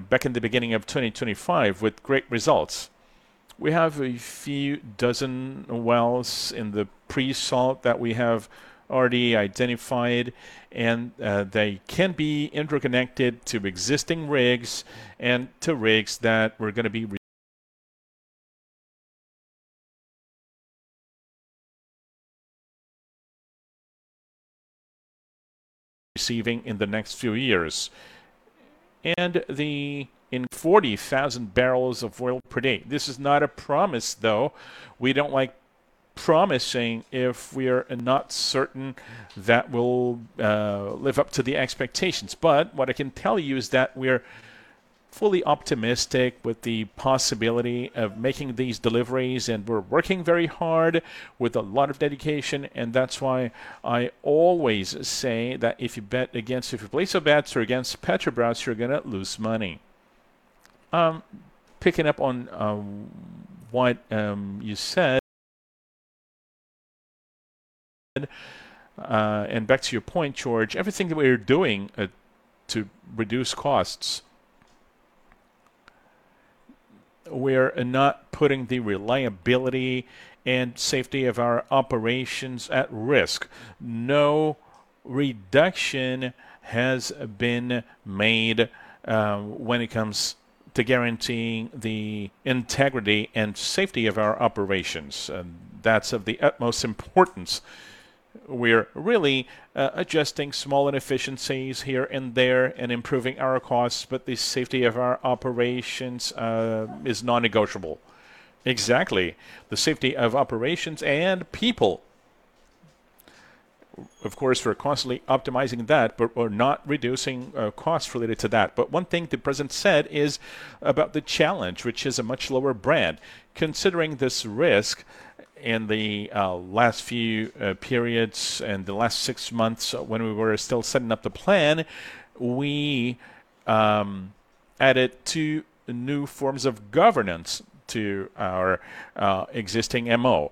back in the beginning of 2025 with great results. We have a few dozen wells in the pre-salt that we have already identified, and they can be interconnected to existing rigs and to rigs that we're going to be receiving in the next few years. The 40,000 barrels of oil per day, this is not a promise, though. We don't like promising if we're not certain that we'll live up to the expectations. What I can tell you is that we're fully optimistic with the possibility of making these deliveries, and we're working very hard with a lot of dedication. That's why I always say that if you bet against, if you place your bets or against Petrobras, you're going to lose money. Picking up on what you said, and back to your point, Jorge, everything that we're doing to reduce costs, we're not putting the reliability and safety of our operations at risk. No reduction has been made when it comes to guaranteeing the integrity and safety of our operations. That is of the utmost importance. We are really adjusting small inefficiencies here and there and improving our costs, but the safety of our operations is non-negotiable. Exactly. The safety of operations and people. Of course, we are constantly optimizing that, but we are not reducing costs related to that. One thing the President said is about the challenge, which is a much lower Brent. Considering this risk in the last few periods and the last six months when we were still setting up the plan, we added two new forms of governance to our existing MO.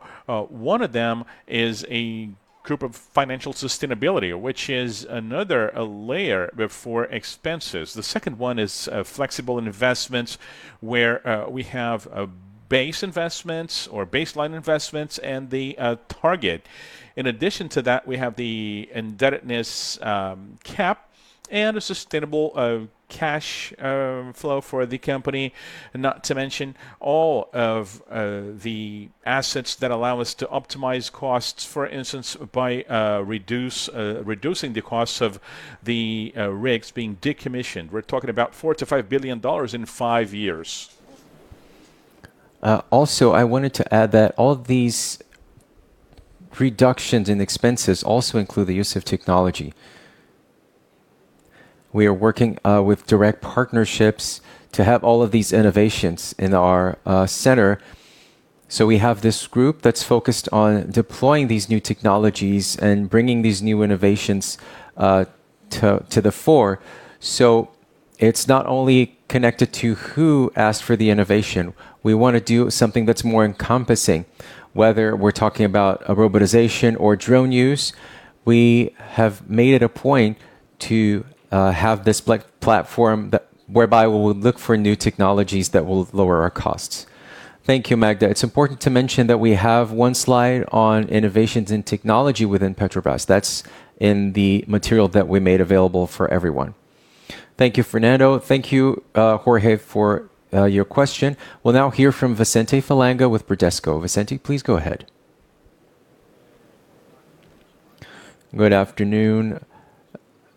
One of them is a group of financial sustainability, which is another layer before expenses. The second one is flexible investments where we have base investments or baseline investments and the target. In addition to that, we have the indebtedness cap and a sustainable cash flow for the company, not to mention all of the assets that allow us to optimize costs, for instance, by reducing the costs of the rigs being decommissioned. We're talking about $4 billion-$5 billion in five years. Also, I wanted to add that all these reductions in expenses also include the use of technology. We are working with direct partnerships to have all of these innovations in our center. We have this group that's focused on deploying these new technologies and bringing these new innovations to the fore. It is not only connected to who asked for the innovation. We want to do something that's more encompassing, whether we're talking about a robotization or drone use. We have made it a point to have this platform whereby we will look for new technologies that will lower our costs. Thank you, Magda. It's important to mention that we have one slide on innovations in technology within Petrobras. That's in the material that we made available for everyone. Thank you, Fernando. Thank you, Jorge, for your question. We'll now hear from Vicente Falanga with Bradesco. Vicente, please go ahead. Good afternoon,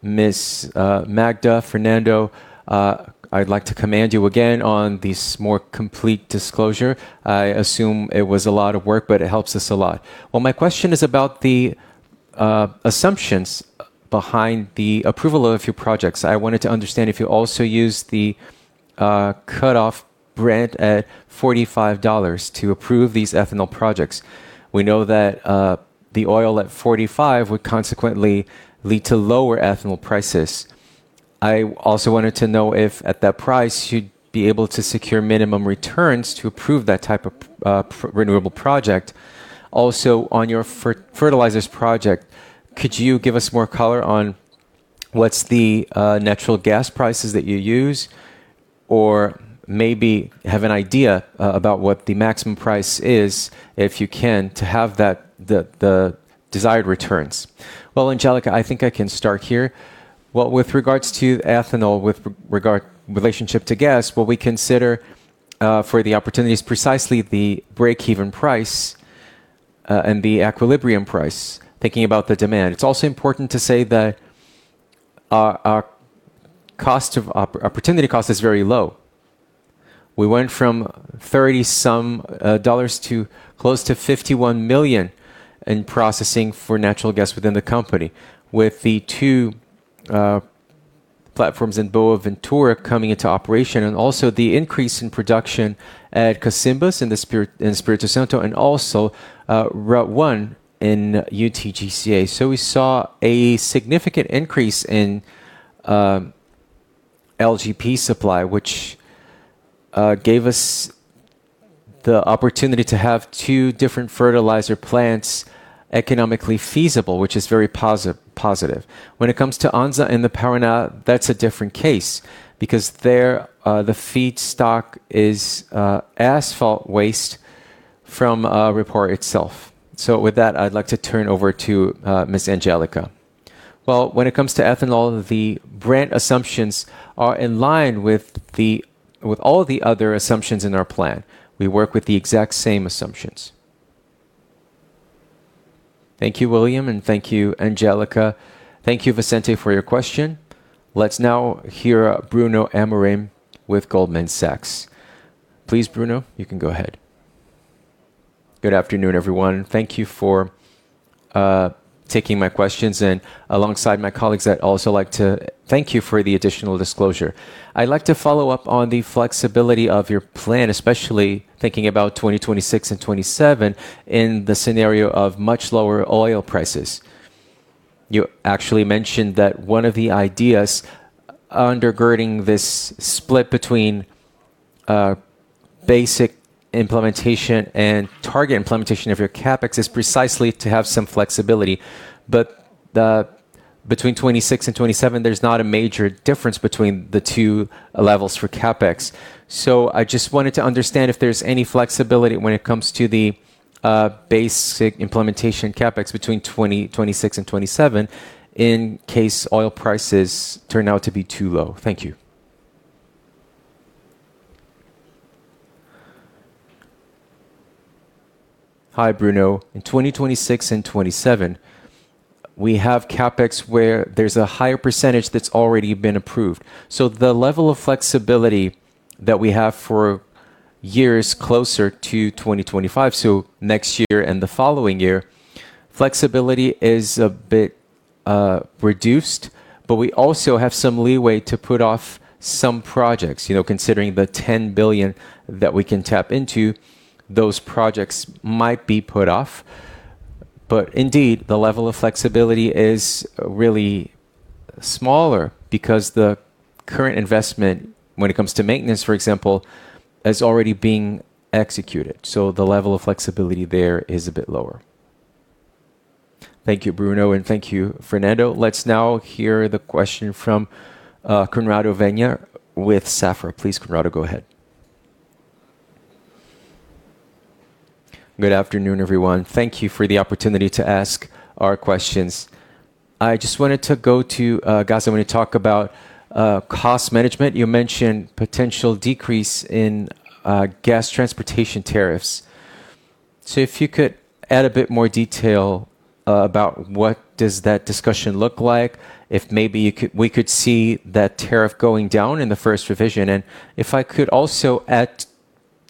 Ms. Magda, Fernando. I'd like to commend you again on this more complete disclosure. I assume it was a lot of work, but it helps us a lot. My question is about the assumptions behind the approval of your projects. I wanted to understand if you also use the cut-off Brent at $45 to approve these ethanol projects. We know that the oil at $45 would consequently lead to lower ethanol prices. I also wanted to know if at that price you'd be able to secure minimum returns to approve that type of renewable project. Also, on your fertilizers project, could you give us more color on what's the natural gas prices that you use or maybe have an idea about what the maximum price is if you can to have the desired returns? Angélica, I think I can start here. With regards to ethanol, with regard to relationship to gas, what we consider for the opportunity is precisely the break-even price and the equilibrium price, thinking about the demand. It's also important to say that our opportunity cost is very low. We went from $30-some to close to $51 million in processing for natural gas within the company, with the two platforms in Boaventura coming into operation, and also the increase in production at Cabiúnas in Espírito Santo and also Route 1 in UTGCA. We saw a significant increase in LPG supply, which gave us the opportunity to have two different fertilizer plants economically feasible, which is very positive. When it comes to ANSA and Paraná, that is a different case because there the feedstock is asphalt waste from the refinery itself. With that, I'd like to turn over to Ms. Angélica. When it comes to ethanol, the Brent assumptions are in line with all the other assumptions in our plan. We work with the exact same assumptions. Thank you, William, and thank you, Angélica. Thank you, Vicente, for your question. Let's now hear Bruno Amorim with Goldman Sachs. Please, Bruno, you can go ahead. Good afternoon, everyone. Thank you for taking my questions. Alongside my colleagues, I'd also like to thank you for the additional disclosure. I'd like to follow up on the flexibility of your plan, especially thinking about 2026 and 2027 in the scenario of much lower oil prices. You actually mentioned that one of the ideas undergirding this split between basic implementation and target implementation of your CapEx is precisely to have some flexibility. Between 2026 and 2027, there's not a major difference between the two levels for CapEx. I just wanted to understand if there's any flexibility when it comes to the basic implementation CapEx between 2026 and 2027 in case oil prices turn out to be too low. Thank you. Hi, Bruno. In 2026 and 2027, we have CapEx where there's a higher percentage that's already been approved. The level of flexibility that we have for years closer to 2025, so next year and the following year, flexibility is a bit reduced, but we also have some leeway to put off some projects. Considering the $10 billion that we can tap into, those projects might be put off. Indeed, the level of flexibility is really smaller because the current investment, when it comes to maintenance, for example, is already being executed. The level of flexibility there is a bit lower. Thank you, Bruno, and thank you, Fernando. Let's now hear the question from Conrado Vegner with Safra. Please, Conrado, go ahead. Good afternoon, everyone. Thank you for the opportunity to ask our questions. I just wanted to go to gas. I want to talk about cost management. You mentioned potential decrease in gas transportation tariffs. If you could add a bit more detail about what does that discussion look like, if maybe we could see that tariff going down in the first revision. If I could also add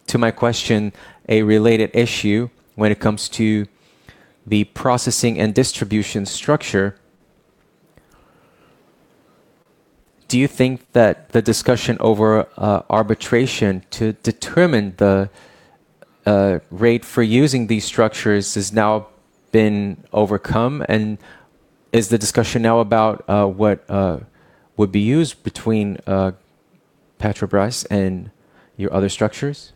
to my question a related issue when it comes to the processing and distribution structure, do you think that the discussion over arbitration to determine the rate for using these structures has now been overcome? Is the discussion now about what would be used between Petrobras and your other structures?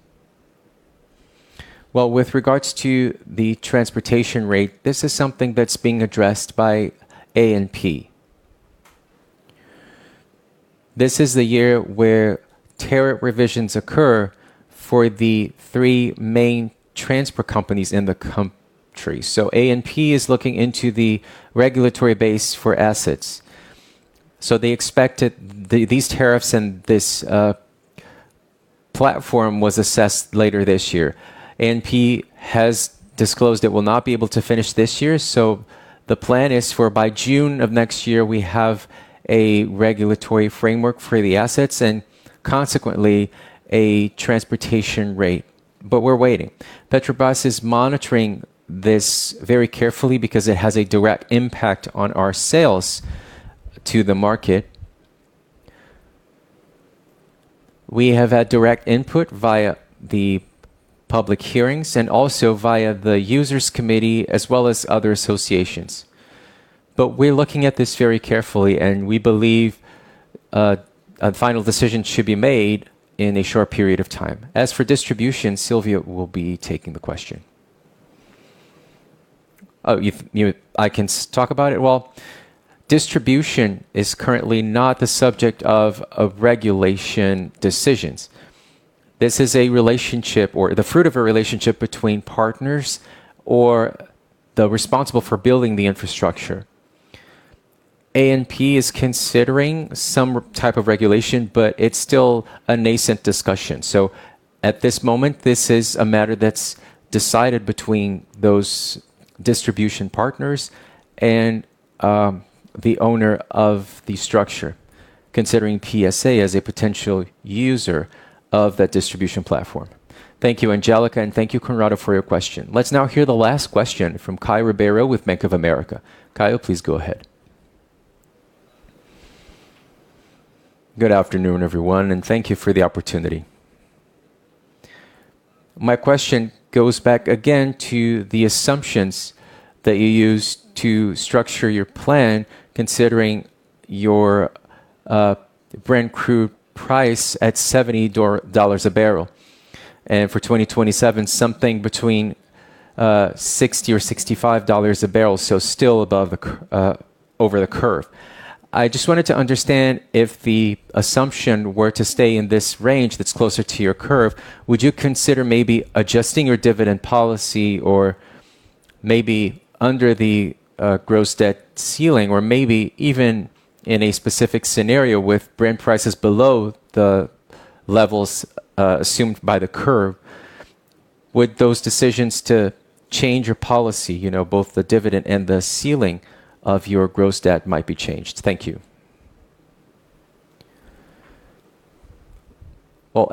With regards to the transportation rate, this is something that's being addressed by ANP. This is the year where tariff revisions occur for the three main transport companies in the country. ANP is looking into the regulatory base for assets. They expected these tariffs and this platform was assessed later this year. ANP has disclosed it will not be able to finish this year. The plan is for by June of next year, we have a regulatory framework for the assets and consequently a transportation rate. We are waiting. Petrobras is monitoring this very carefully because it has a direct impact on our sales to the market. We have had direct input via the public hearings and also via the users' committee as well as other associations. We are looking at this very carefully, and we believe a final decision should be made in a short period of time. As for distribution, Sylvia will be taking the question. Oh, I can talk about it. Distribution is currently not the subject of regulation decisions. This is a relationship or the fruit of a relationship between partners or the responsible for building the infrastructure. ANP is considering some type of regulation, but it's still a nascent discussion. At this moment, this is a matter that's decided between those distribution partners and the owner of the structure, considering PSA as a potential user of that distribution platform. Thank you, Angélica, and thank you, Conrado, for your question. Let's now hear the last question from Caio Ribeiro with Bank of America. Caio, please go ahead. Good afternoon, everyone, and thank you for the opportunity. My question goes back again to the assumptions that you use to structure your plan, considering your Brent crude price at $70 a barrel, and for 2027, something between $60-$65 a barrel, still over the curve. I just wanted to understand if the assumption were to stay in this range that's closer to your curve, would you consider maybe adjusting your dividend policy or maybe under the gross debt ceiling, or maybe even in a specific scenario with Brent prices below the levels assumed by the curve, would those decisions to change your policy, both the dividend and the ceiling of your gross debt might be changed? Thank you.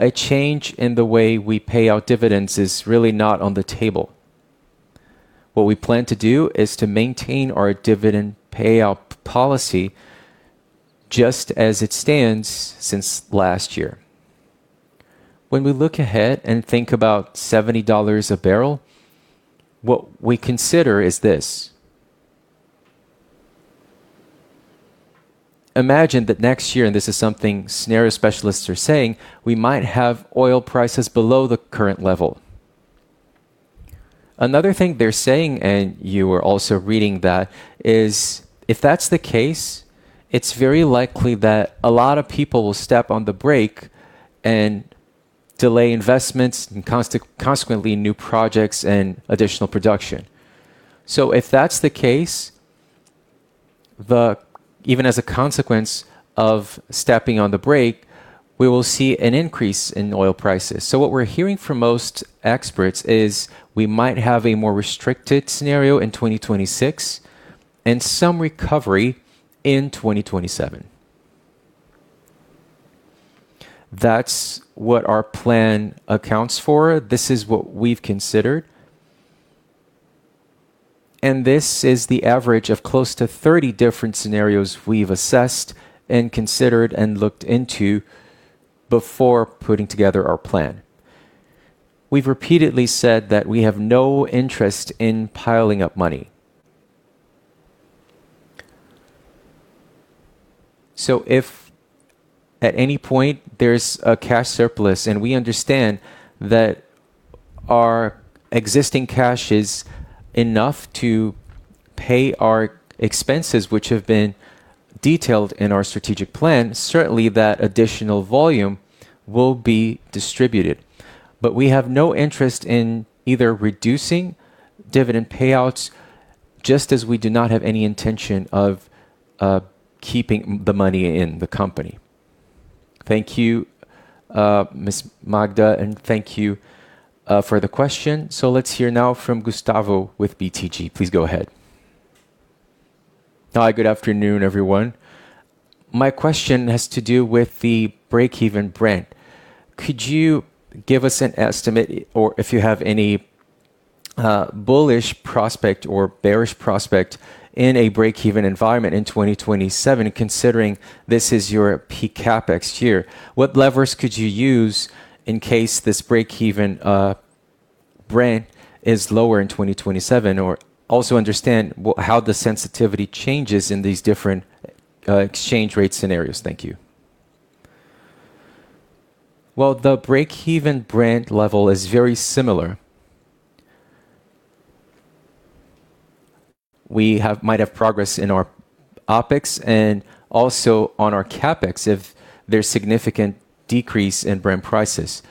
A change in the way we pay out dividends is really not on the table. What we plan to do is to maintain our dividend payout policy just as it stands since last year. When we look ahead and think about $70 a barrel, what we consider is this. Imagine that next year, and this is something scenario specialists are saying, we might have oil prices below the current level. Another thing they're saying, and you were also reading that, is if that's the case, it's very likely that a lot of people will step on the brake and delay investments and consequently new projects and additional production. If that's the case, even as a consequence of stepping on the brake, we will see an increase in oil prices. What we're hearing from most experts is we might have a more restricted scenario in 2026 and some recovery in 2027. That's what our plan accounts for. This is what we've considered. This is the average of close to 30 different scenarios we've assessed and considered and looked into before putting together our plan. We've repeatedly said that we have no interest in piling up money. If at any point there's a cash surplus and we understand that our existing cash is enough to pay our expenses, which have been detailed in our strategic plan, certainly that additional volume will be distributed. We have no interest in either reducing dividend payouts, just as we do not have any intention of keeping the money in the company. Thank you, Ms. Magda, and thank you for the question. Let's hear now from Gustavo with BTG. Please go ahead. Hi, good afternoon, everyone. My question has to do with the break-even Brent. Could you give us an estimate or if you have any bullish prospect or bearish prospect in a break-even environment in 2027, considering this is your peak CapEx year? What levers could you use in case this break-even Brent is lower in 2027? Or also understand how the sensitivity changes in these different exchange rate scenarios? Thank you. The break-even Brent level is very similar. We might have progress in our OpEx and also on our CapEx if there's significant decrease in Brent prices.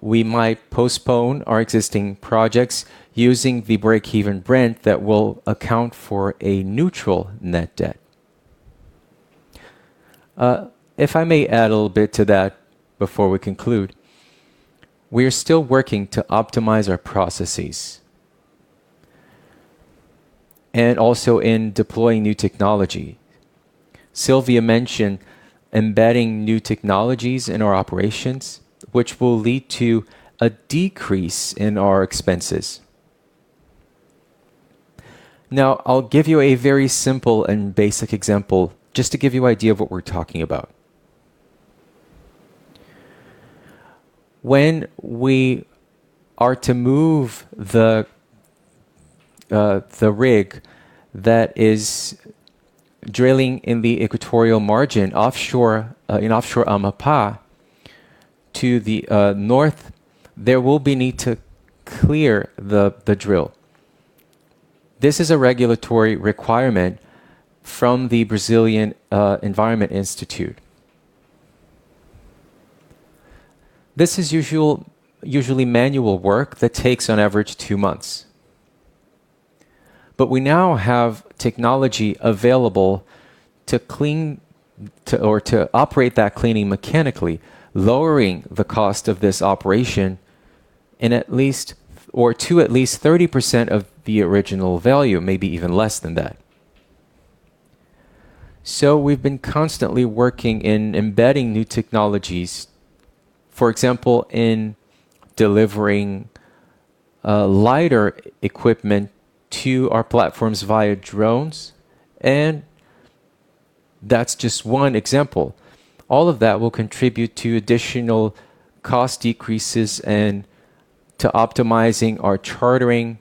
We might postpone our existing projects using the break-even Brent that will account for a neutral net debt. If I may add a little bit to that before we conclude, we are still working to optimize our processes and also in deploying new technology. Sylvia mentioned embedding new technologies in our operations, which will lead to a decrease in our expenses. Now, I'll give you a very simple and basic example just to give you an idea of what we're talking about. When we are to move the rig that is drilling in the equatorial margin in offshore Amapá to the north, there will be a need to clear the drill. This is a regulatory requirement from the Brazilian Environment Institute. This is usually manual work that takes on average two months. We now have technology available to operate that cleaning mechanically, lowering the cost of this operation to at least 30% of the original value, maybe even less than that. We have been constantly working in embedding new technologies, for example, in delivering lighter equipment to our platforms via drones. That is just one example. All of that will contribute to additional cost decreases and to optimizing our chartering,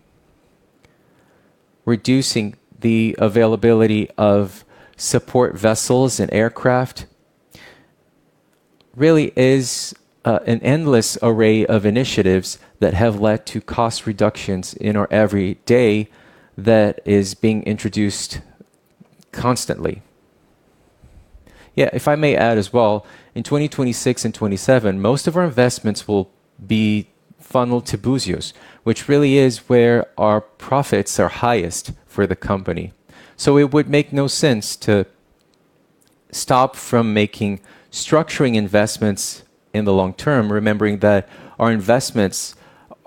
reducing the availability of support vessels and aircraft. Really, it is an endless array of initiatives that have led to cost reductions in our every day that is being introduced constantly. Yeah, if I may add as well, in 2026 and 2027, most of our investments will be funneled to Búzios, which really is where our profits are highest for the company. It would make no sense to stop from making structuring investments in the long term, remembering that our investments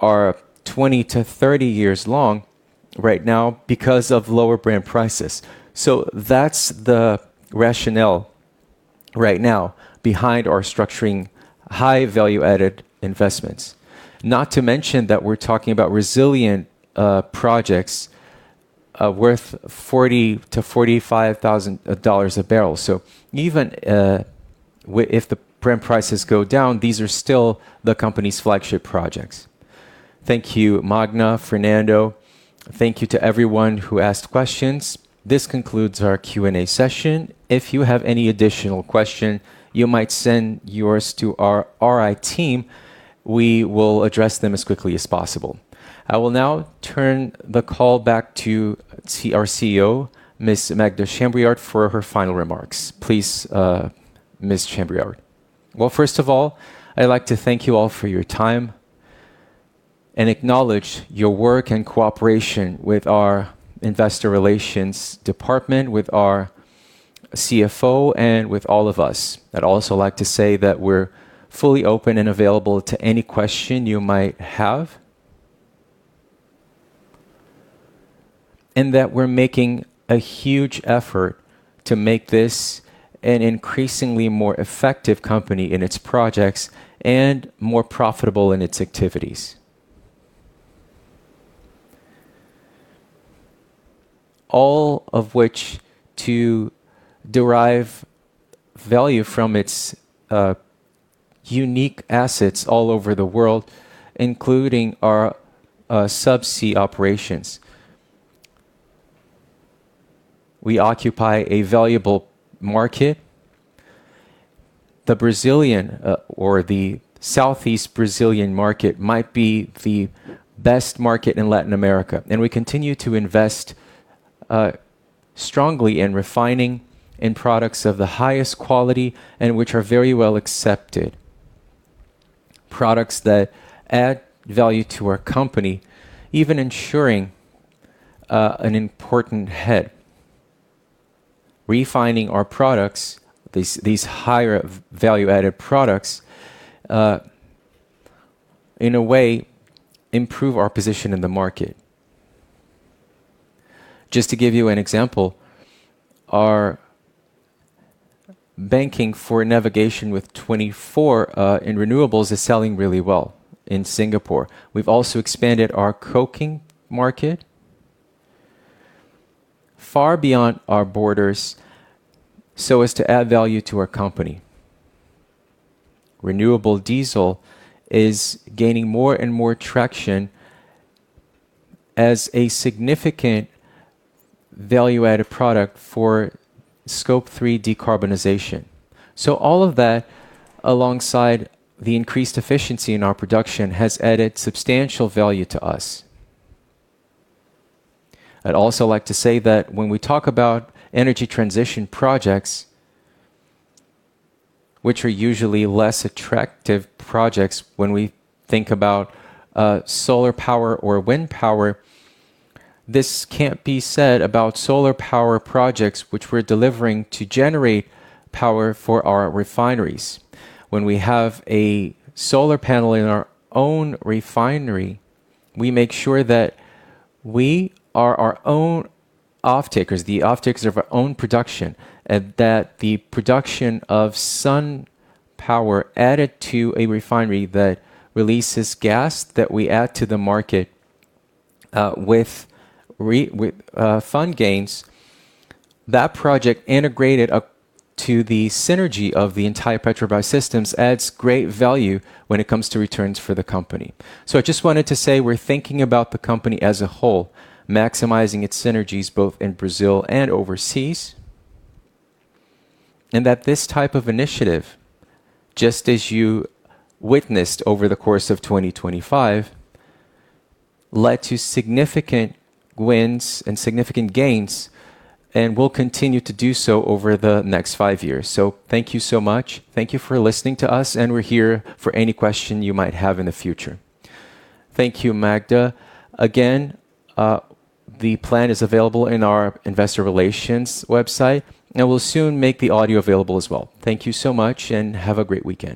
are 20 to 30 years long right now because of lower Brent prices. That is the rationale right now behind our structuring high-value-added investments. Not to mention that we're talking about resilient projects worth $40,000-$45,000 a barrel. Even if the Brent prices go down, these are still the company's flagship projects. Thank you, Magda, Fernando. Thank you to everyone who asked questions. This concludes our Q&A session. If you have any additional questions, you might send yours to our RI team. We will address them as quickly as possible. I will now turn the call back to our CEO, Ms. Magda Chambriard, for her final remarks. Please, Ms. Chambriard. First of all, I'd like to thank you all for your time and acknowledge your work and cooperation with our investor relations department, with our CFO, and with all of us. I'd also like to say that we're fully open and available to any question you might have, and that we're making a huge effort to make this an increasingly more effective company in its projects and more profitable in its activities, all of which derive value from its unique assets all over the world, including our subsea operations. We occupy a valuable market. The Brazilian or the Southeast Brazilian market might be the best market in Latin America. We continue to invest strongly in refining and products of the highest quality and which are very well accepted, products that add value to our company, even ensuring an important head. Refining our products, these higher value-added products, in a way, improve our position in the market. Just to give you an example, our bunkering for navigation with B24 and renewables is selling really well in Singapore. We have also expanded our coking market far beyond our borders so as to add value to our company. Renewable diesel is gaining more and more traction as a significant value-added product for Scope 3 Decarbonization. All of that, alongside the increased efficiency in our production, has added substantial value to us. I'd also like to say that when we talk about energy transition projects, which are usually less attractive projects when we think about solar power or wind power, this can't be said about solar power projects which we're delivering to generate power for our refineries. When we have a solar panel in our own refinery, we make sure that we are our own off-takers, the off-takers of our own production, and that the production of sun power added to a refinery that releases gas that we add to the market with fund gains, that project integrated up to the synergy of the entire Petrobras systems adds great value when it comes to returns for the company. I just wanted to say we're thinking about the company as a whole, maximizing its synergies both in Brazil and overseas, and that this type of initiative, just as you witnessed over the course of 2025, led to significant wins and significant gains and will continue to do so over the next five years. Thank you so much. Thank you for listening to us, and we're here for any question you might have in the future. Thank you, Magda. Again, the plan is available in our investor relations website, and we'll soon make the audio available as well. Thank you so much, and have a great weekend.